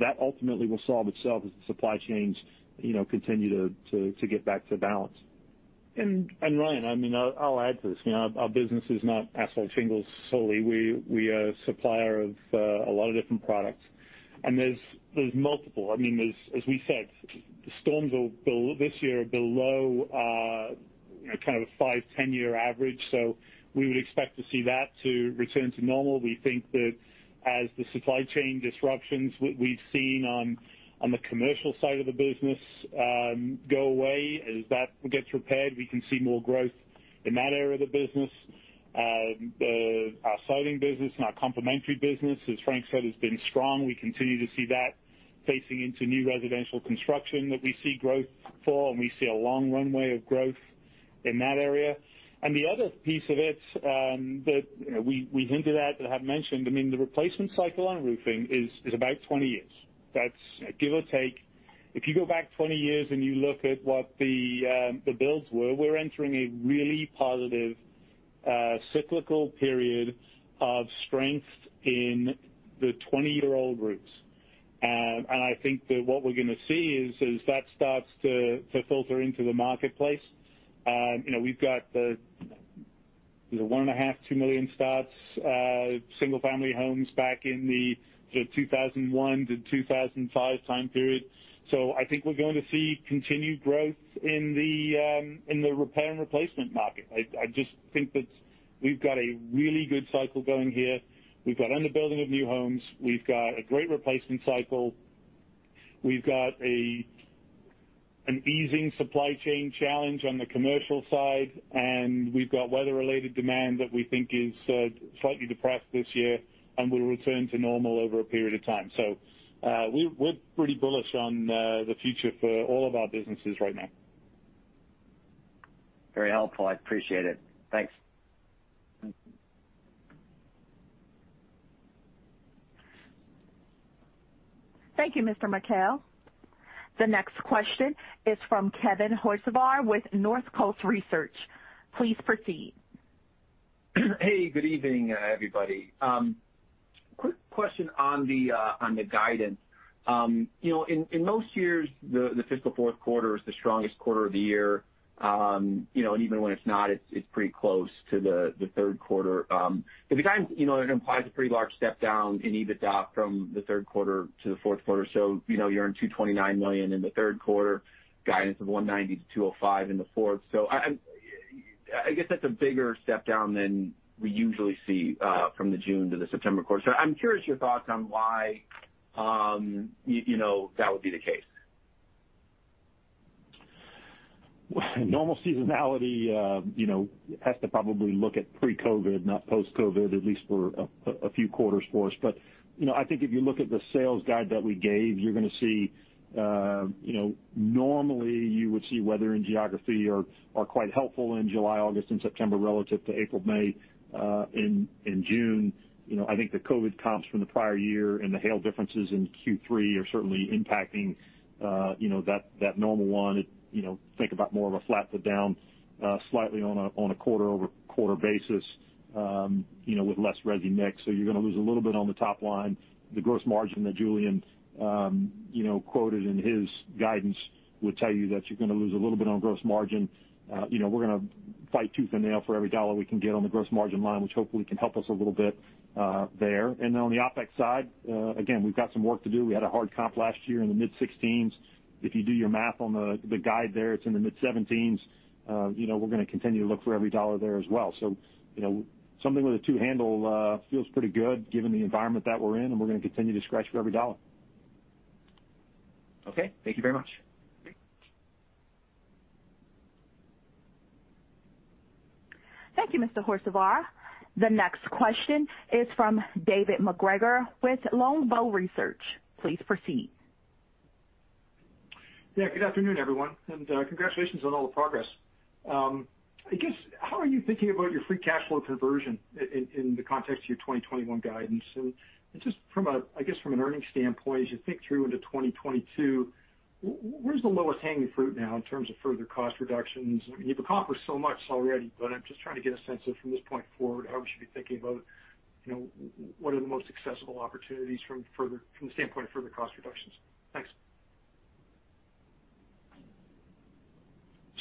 That ultimately will solve itself as the supply chains continue to get back to balance. Ryan, I'll add to this. Our business is not asphalt shingles solely. We are a supplier of a lot of different products, there's multiple. As we said, the storms this year are below a kind of a five, 10-year average. We would expect to see that to return to normal. We think that as the supply chain disruptions that we've seen on the commercial side of the business go away, as that gets repaired, we can see more growth in that area of the business. Our siding business and our complementary business, as Frank said, has been strong. We continue to see that facing into new residential construction that we see growth for, we see a long runway of growth in that area. The other piece of it that we hinted at but haven't mentioned, the replacement cycle on roofing is about 20 years. That's give or take. If you go back 20 years and you look at what the builds were, we're entering a really positive cyclical period of strength in the 20-year-old roofs. I think that what we're going to see is as that starts to filter into the marketplace. We've got the 1.5 million-2 million starts, single-family homes back in the 2001-2005 time period. I think we're going to see continued growth in the repair and replacement market. I just think that we've got a really good cycle going here. We've got on the building of new homes. We've got a great replacement cycle. We've got an easing supply chain challenge on the commercial side, and we've got weather-related demand that we think is slightly depressed this year and will return to normal over a period of time. We're pretty bullish on the future for all of our businesses right now. Very helpful. I appreciate it. Thanks. Thank you. Thank you, Mr. Merkel. The next question is from Kevin Hocevar with Northcoast Research. Please proceed. Hey, good evening, everybody. Quick question on the guidance. In most years, the fiscal fourth quarter is the strongest quarter of the year. Even when it's not, it's pretty close to the third quarter. The guidance implies a pretty large step down in EBITDA from the third quarter to the fourth quarter. You earn $229 million in the third quarter, guidance of $190 million-$205 million in the fourth. I guess that's a bigger step down than we usually see from the June to the September quarter. I'm curious your thoughts on why that would be the case. Normal seasonality has to probably look at pre-COVID, not post-COVID, at least for a few quarters for us. I think if you look at the sales guide that we gave, you're gonna see normally you would see weather and geography are quite helpful in July, August, and September relative to April, May, and June. I think the COVID comps from the prior year and the hail differences in Q3 are certainly impacting that normal one. Think about more of a flat to down slightly on a quarter-over-quarter basis with less resi mix. You're gonna lose a little bit on the top line. The gross margin that Julian quoted in his guidance would tell you that you're gonna lose a little bit on gross margin. We're gonna fight tooth and nail for every dollar we can get on the gross margin line, which hopefully can help us a little bit there. On the OpEx side, again, we've got some work to do. We had a hard comp last year in the mid-16s. If you do your math on the guide there, it's in the mid-17s. We're gonna continue to look for every dollar there as well. Something with a two handle feels pretty good given the environment that we're in, and we're gonna continue to scratch for every dollar. Okay. Thank you very much. Okay. Thank you, Mr. Hocevar. The next question is from David MacGregor with Longbow Research. Please proceed. Yeah. Good afternoon, everyone, and congratulations on all the progress. I guess, how are you thinking about your free cash flow conversion in the context of your 2021 guidance? Just from, I guess, from an earnings standpoint, as you think through into 2022, where's the lowest hanging fruit now in terms of further cost reductions? You've accomplished so much already, but I'm just trying to get a sense of, from this point forward, how we should be thinking about what are the most accessible opportunities from the standpoint of further cost reductions. Thanks.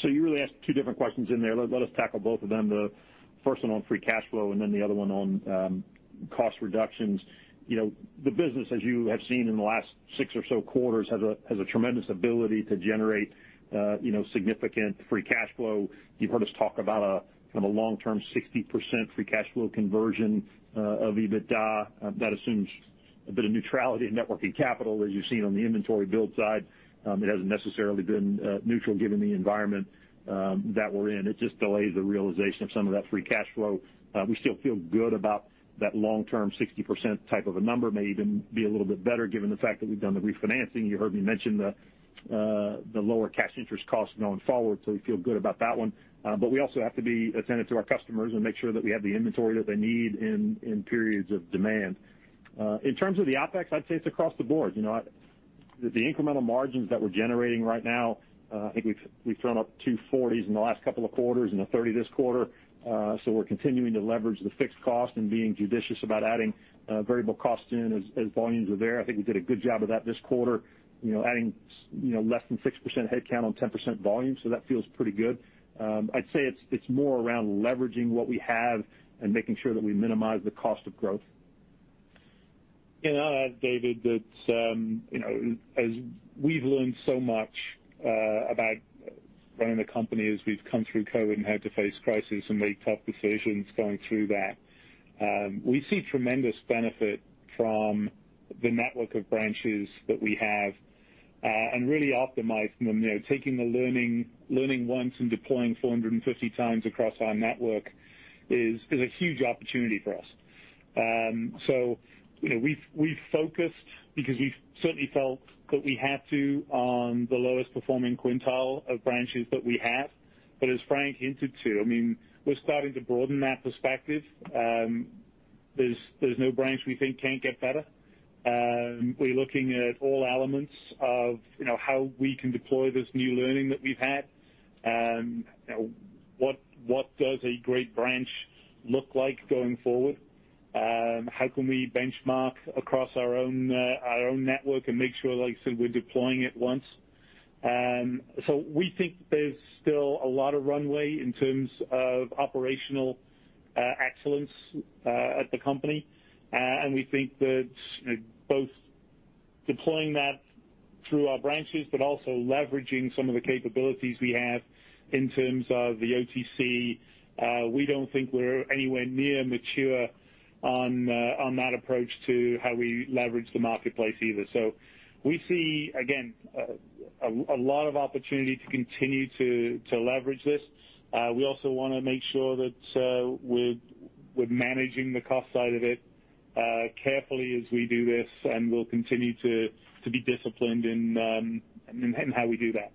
You really asked two different questions in there. Let us tackle both of them. The first one on free cash flow, and then the other one on cost reductions. The business, as you have seen in the last six or so quarters, has a tremendous ability to generate significant free cash flow. You've heard us talk about a long-term 60% free cash flow conversion of EBITDA. That assumes a bit of neutrality in working capital, as you've seen on the inventory build side. It hasn't necessarily been neutral given the environment that we're in. It just delays the realization of some of that free cash flow. We still feel good about that long-term 60% type of a number. It may even be a little bit better given the fact that we've done the refinancing. You heard me mention the lower cash interest cost going forward. We feel good about that one. We also have to be attentive to our customers and make sure that we have the inventory that they need in periods of demand. In terms of the OpEx, I'd say it's across the board. The incremental margins that we're generating right now, I think we've thrown up two 40s in the last couple of quarters and a 30 this quarter. We're continuing to leverage the fixed cost and being judicious about adding variable costs in as volumes are there. I think we did a good job of that this quarter, adding less than 6% headcount on 10% volume. That feels pretty good. I'd say it's more around leveraging what we have and making sure that we minimize the cost of growth. Yeah. I'd add, David, that as we've learned so much about running the company as we've come through COVID and had to face crisis and make tough decisions going through that, we see tremendous benefit from the network of branches that we have, and really optimizing them. Taking the learning once and deploying 450x across our network is a huge opportunity for us. We've focused because we certainly felt that we had to on the lowest performing quintile of branches that we had. As Frank hinted to, we're starting to broaden that perspective. There's no branch we think can't get better. We're looking at all elements of how we can deploy this new learning that we've had. What does a great branch look like going forward? How can we benchmark across our own network and make sure, like you said, we're deploying it once? We think there's still a lot of runway in terms of operational excellence at the company. We think that both deploying that through our branches, but also leveraging some of the capabilities we have in terms of the OTC. We don't think we're anywhere near mature on that approach to how we leverage the marketplace either. We see, again, a lot of opportunity to continue to leverage this. We also want to make sure that we're managing the cost side of it carefully as we do this, and we'll continue to be disciplined in how we do that.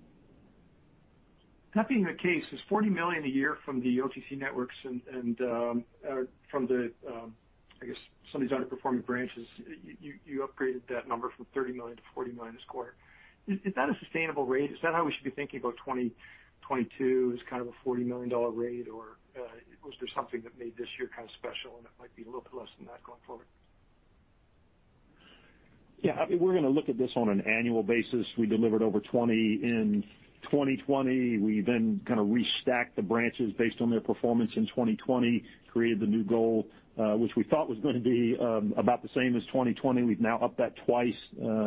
That being the case, there's $40 million a year from the OTC networks and from the, I guess some of these underperforming branches. You upgraded that number from $30 million to $40 million this quarter. Is that a sustainable rate? Is that how we should be thinking about 2022 as kind of a $40 million rate, or was there something that made this year kind of special and it might be a little bit less than that going forward? Yeah. We're going to look at this on an annual basis. We delivered over 20 in 2020. We kind of restacked the branches based on their performance in 2020, created the new goal, which we thought was going to be about the same as 2020. We've now upped that twice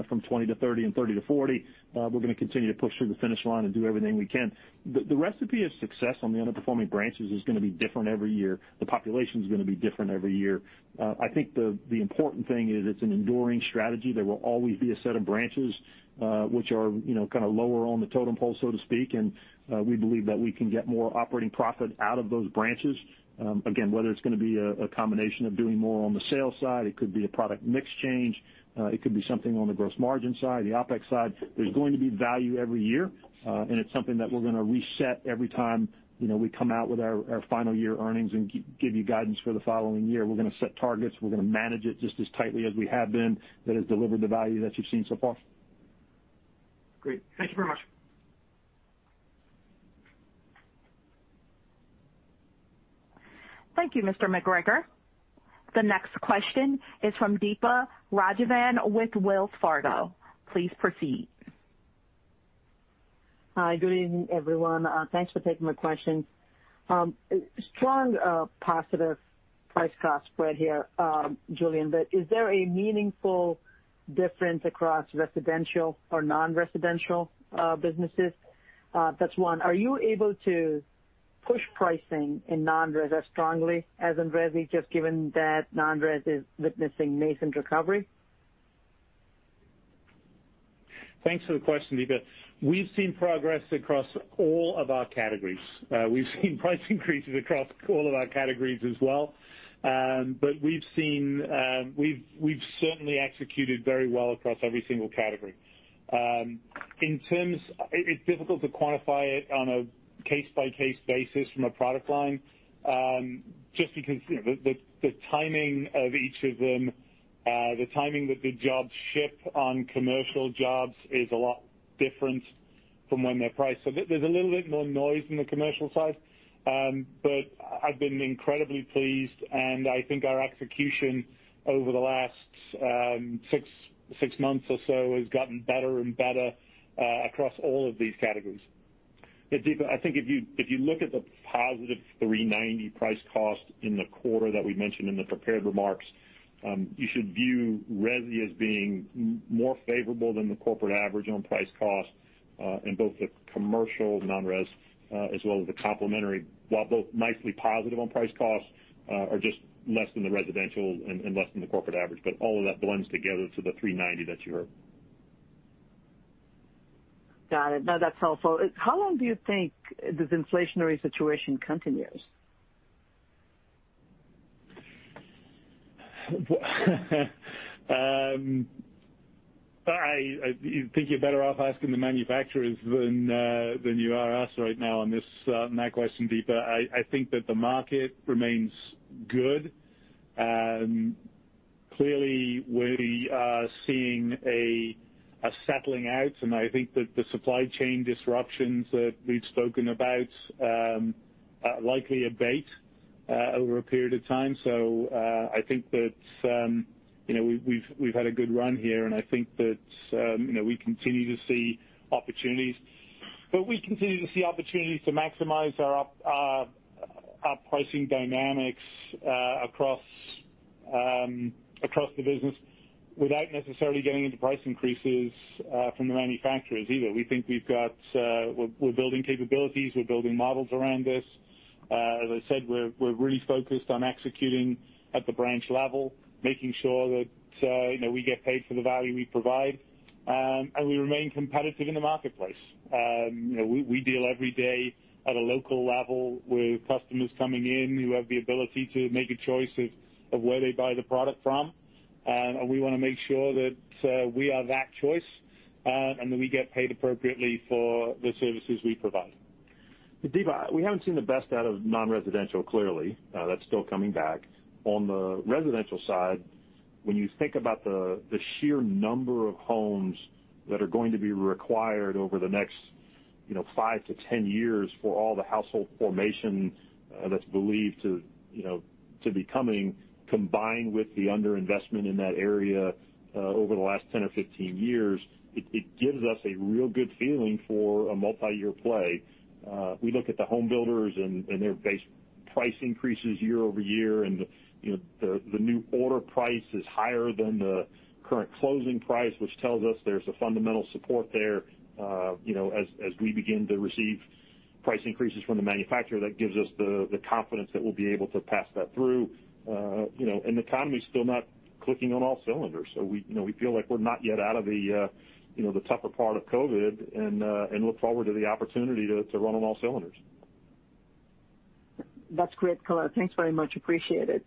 from 20 to 30 and 30 to 40. We're going to continue to push through the finish line and do everything we can. The recipe of success on the underperforming branches is going to be different every year. The population's going to be different every year. I think the important thing is it's an enduring strategy. There will always be a set of branches which are kind of lower on the totem pole, so to speak. We believe that we can get more operating profit out of those branches. Whether it's going to be a combination of doing more on the sales side, it could be a product mix change. It could be something on the gross margin side, the OpEx side. There's going to be value every year. It's something that we're going to reset every time we come out with our final year earnings and give you guidance for the following year. We're going to set targets. We're going to manage it just as tightly as we have been that has delivered the value that you've seen so far. Great. Thank you very much. Thank you, Mr. MacGregor. The next question is from Deepa Raghavan with Wells Fargo. Please proceed. Hi, good evening, everyone. Thanks for taking my question. Strong positive price cost spread here, Julian. Is there a meaningful difference across residential or non-residential businesses? That's one. Are you able to push pricing in non-res as strongly as in resi, just given that non-res is witnessing nascent recovery? Thanks for the question, Deepa. We've seen progress across all of our categories. We've seen price increases across all of our categories as well. We've certainly executed very well across every single category. It's difficult to quantify it on a case-by-case basis from a product line, just because the timing of each of them, the timing that the jobs ship on commercial jobs is a lot different from when they're priced. There's a little bit more noise in the commercial side. I've been incredibly pleased, and I think our execution over the last six months or so has gotten better and better across all of these categories. Deepa Raghavan, I think if you look at the positive 390 price cost in the quarter that we mentioned in the prepared remarks, you should view resi as being more favorable than the corporate average on price cost in both the commercial non-res as well as the complementary, while both nicely positive on price costs are just less than the residential and less than the corporate average. All of that blends together to the 390 that you heard. Got it. No, that's helpful. How long do you think this inflationary situation continues? I think you're better off asking the manufacturers than you are us right now on that question, Deepa. I think that the market remains good. Clearly, we are seeing a settling out, and I think that the supply chain disruptions that we've spoken about likely abate over a period of time. I think that we've had a good run here, and I think that we continue to see opportunities. We continue to see opportunities to maximize our pricing dynamics across the business without necessarily getting into price increases from the manufacturers either. We think we're building capabilities, we're building models around this. As I said, we're really focused on executing at the branch level, making sure that we get paid for the value we provide, and we remain competitive in the marketplace. We deal every day at a local level with customers coming in who have the ability to make a choice of where they buy the product from. We want to make sure that we are that choice, and that we get paid appropriately for the services we provide. Deepa, we haven't seen the best out of non-residential, clearly. That's still coming back. On the residential side, when you think about the sheer number of homes that are going to be required over the next 5 to 10 years for all the household formation that's believed to be coming, combined with the under-investment in that area over the last 10 or 15 years, it gives us a real good feeling for a multi-year play. We look at the home builders and their base price increases year-over-year, and the new order price is higher than the current closing price, which tells us there's a fundamental support there. As we begin to receive price increases from the manufacturer, that gives us the confidence that we'll be able to pass that through. The economy's still not clicking on all cylinders, so we feel like we're not yet out of the tougher part of COVID and look forward to the opportunity to run on all cylinders. That's great color. Thanks very much. Appreciate it.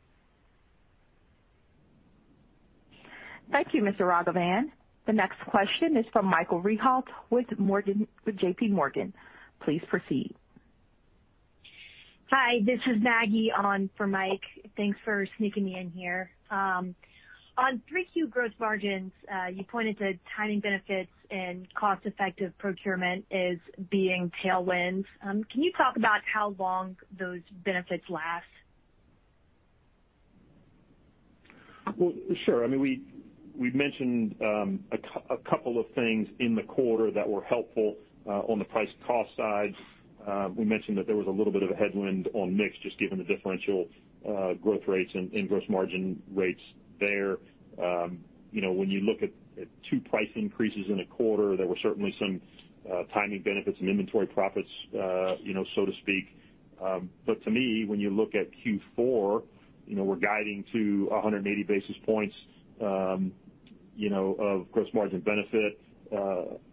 Thank you, Mr. Raghavan. The next question is from Michael Rehaut with JPMorgan. Please proceed. Hi, this is Maggie on for Mike. Thanks for sneaking me in here. On 3Q growth margins, you pointed to timing benefits and cost-effective procurement as being tailwinds. Can you talk about how long those benefits last? Well, sure. We've mentioned a couple of things in the quarter that were helpful on the price cost side. We mentioned that there was a little bit of a headwind on mix, just given the differential growth rates and gross margin rates there. When you look at two price increases in a quarter, there were certainly some timing benefits and inventory profits, so to speak. To me, when you look at Q4, we're guiding to 180 basis points of gross margin benefit.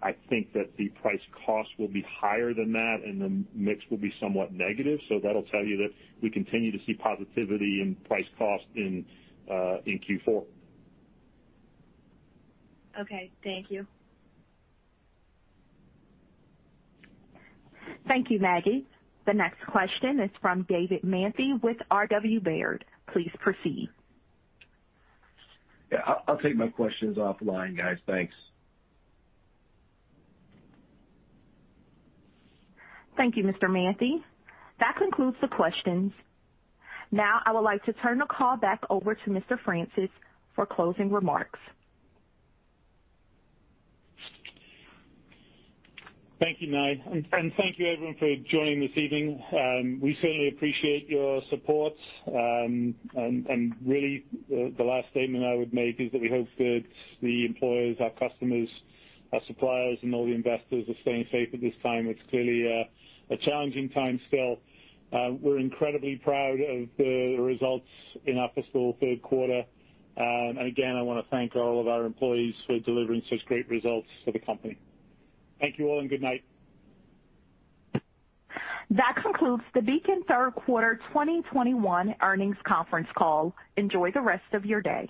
I think that the price cost will be higher than that, and the mix will be somewhat negative. That'll tell you that we continue to see positivity in price cost in Q4. Okay. Thank you. Thank you, Maggie. The next question is from David Manthey with R.W. Baird. Please proceed. Yeah, I'll take my questions offline, guys. Thanks. Thank you, Mr. Manthey. That concludes the questions. I would like to turn the call back over to Mr. Francis for closing remarks. Thank you, Nye. Thank you, everyone, for joining this evening. We certainly appreciate your support. Really, the last statement I would make is that we hope that the employees, our customers, our suppliers, and all the investors are staying safe at this time. It's clearly a challenging time still. We're incredibly proud of the results in our fiscal third quarter. Again, I want to thank all of our employees for delivering such great results for the company. Thank you all, and good night. That concludes the Beacon third quarter 2021 earnings conference call. Enjoy the rest of your day.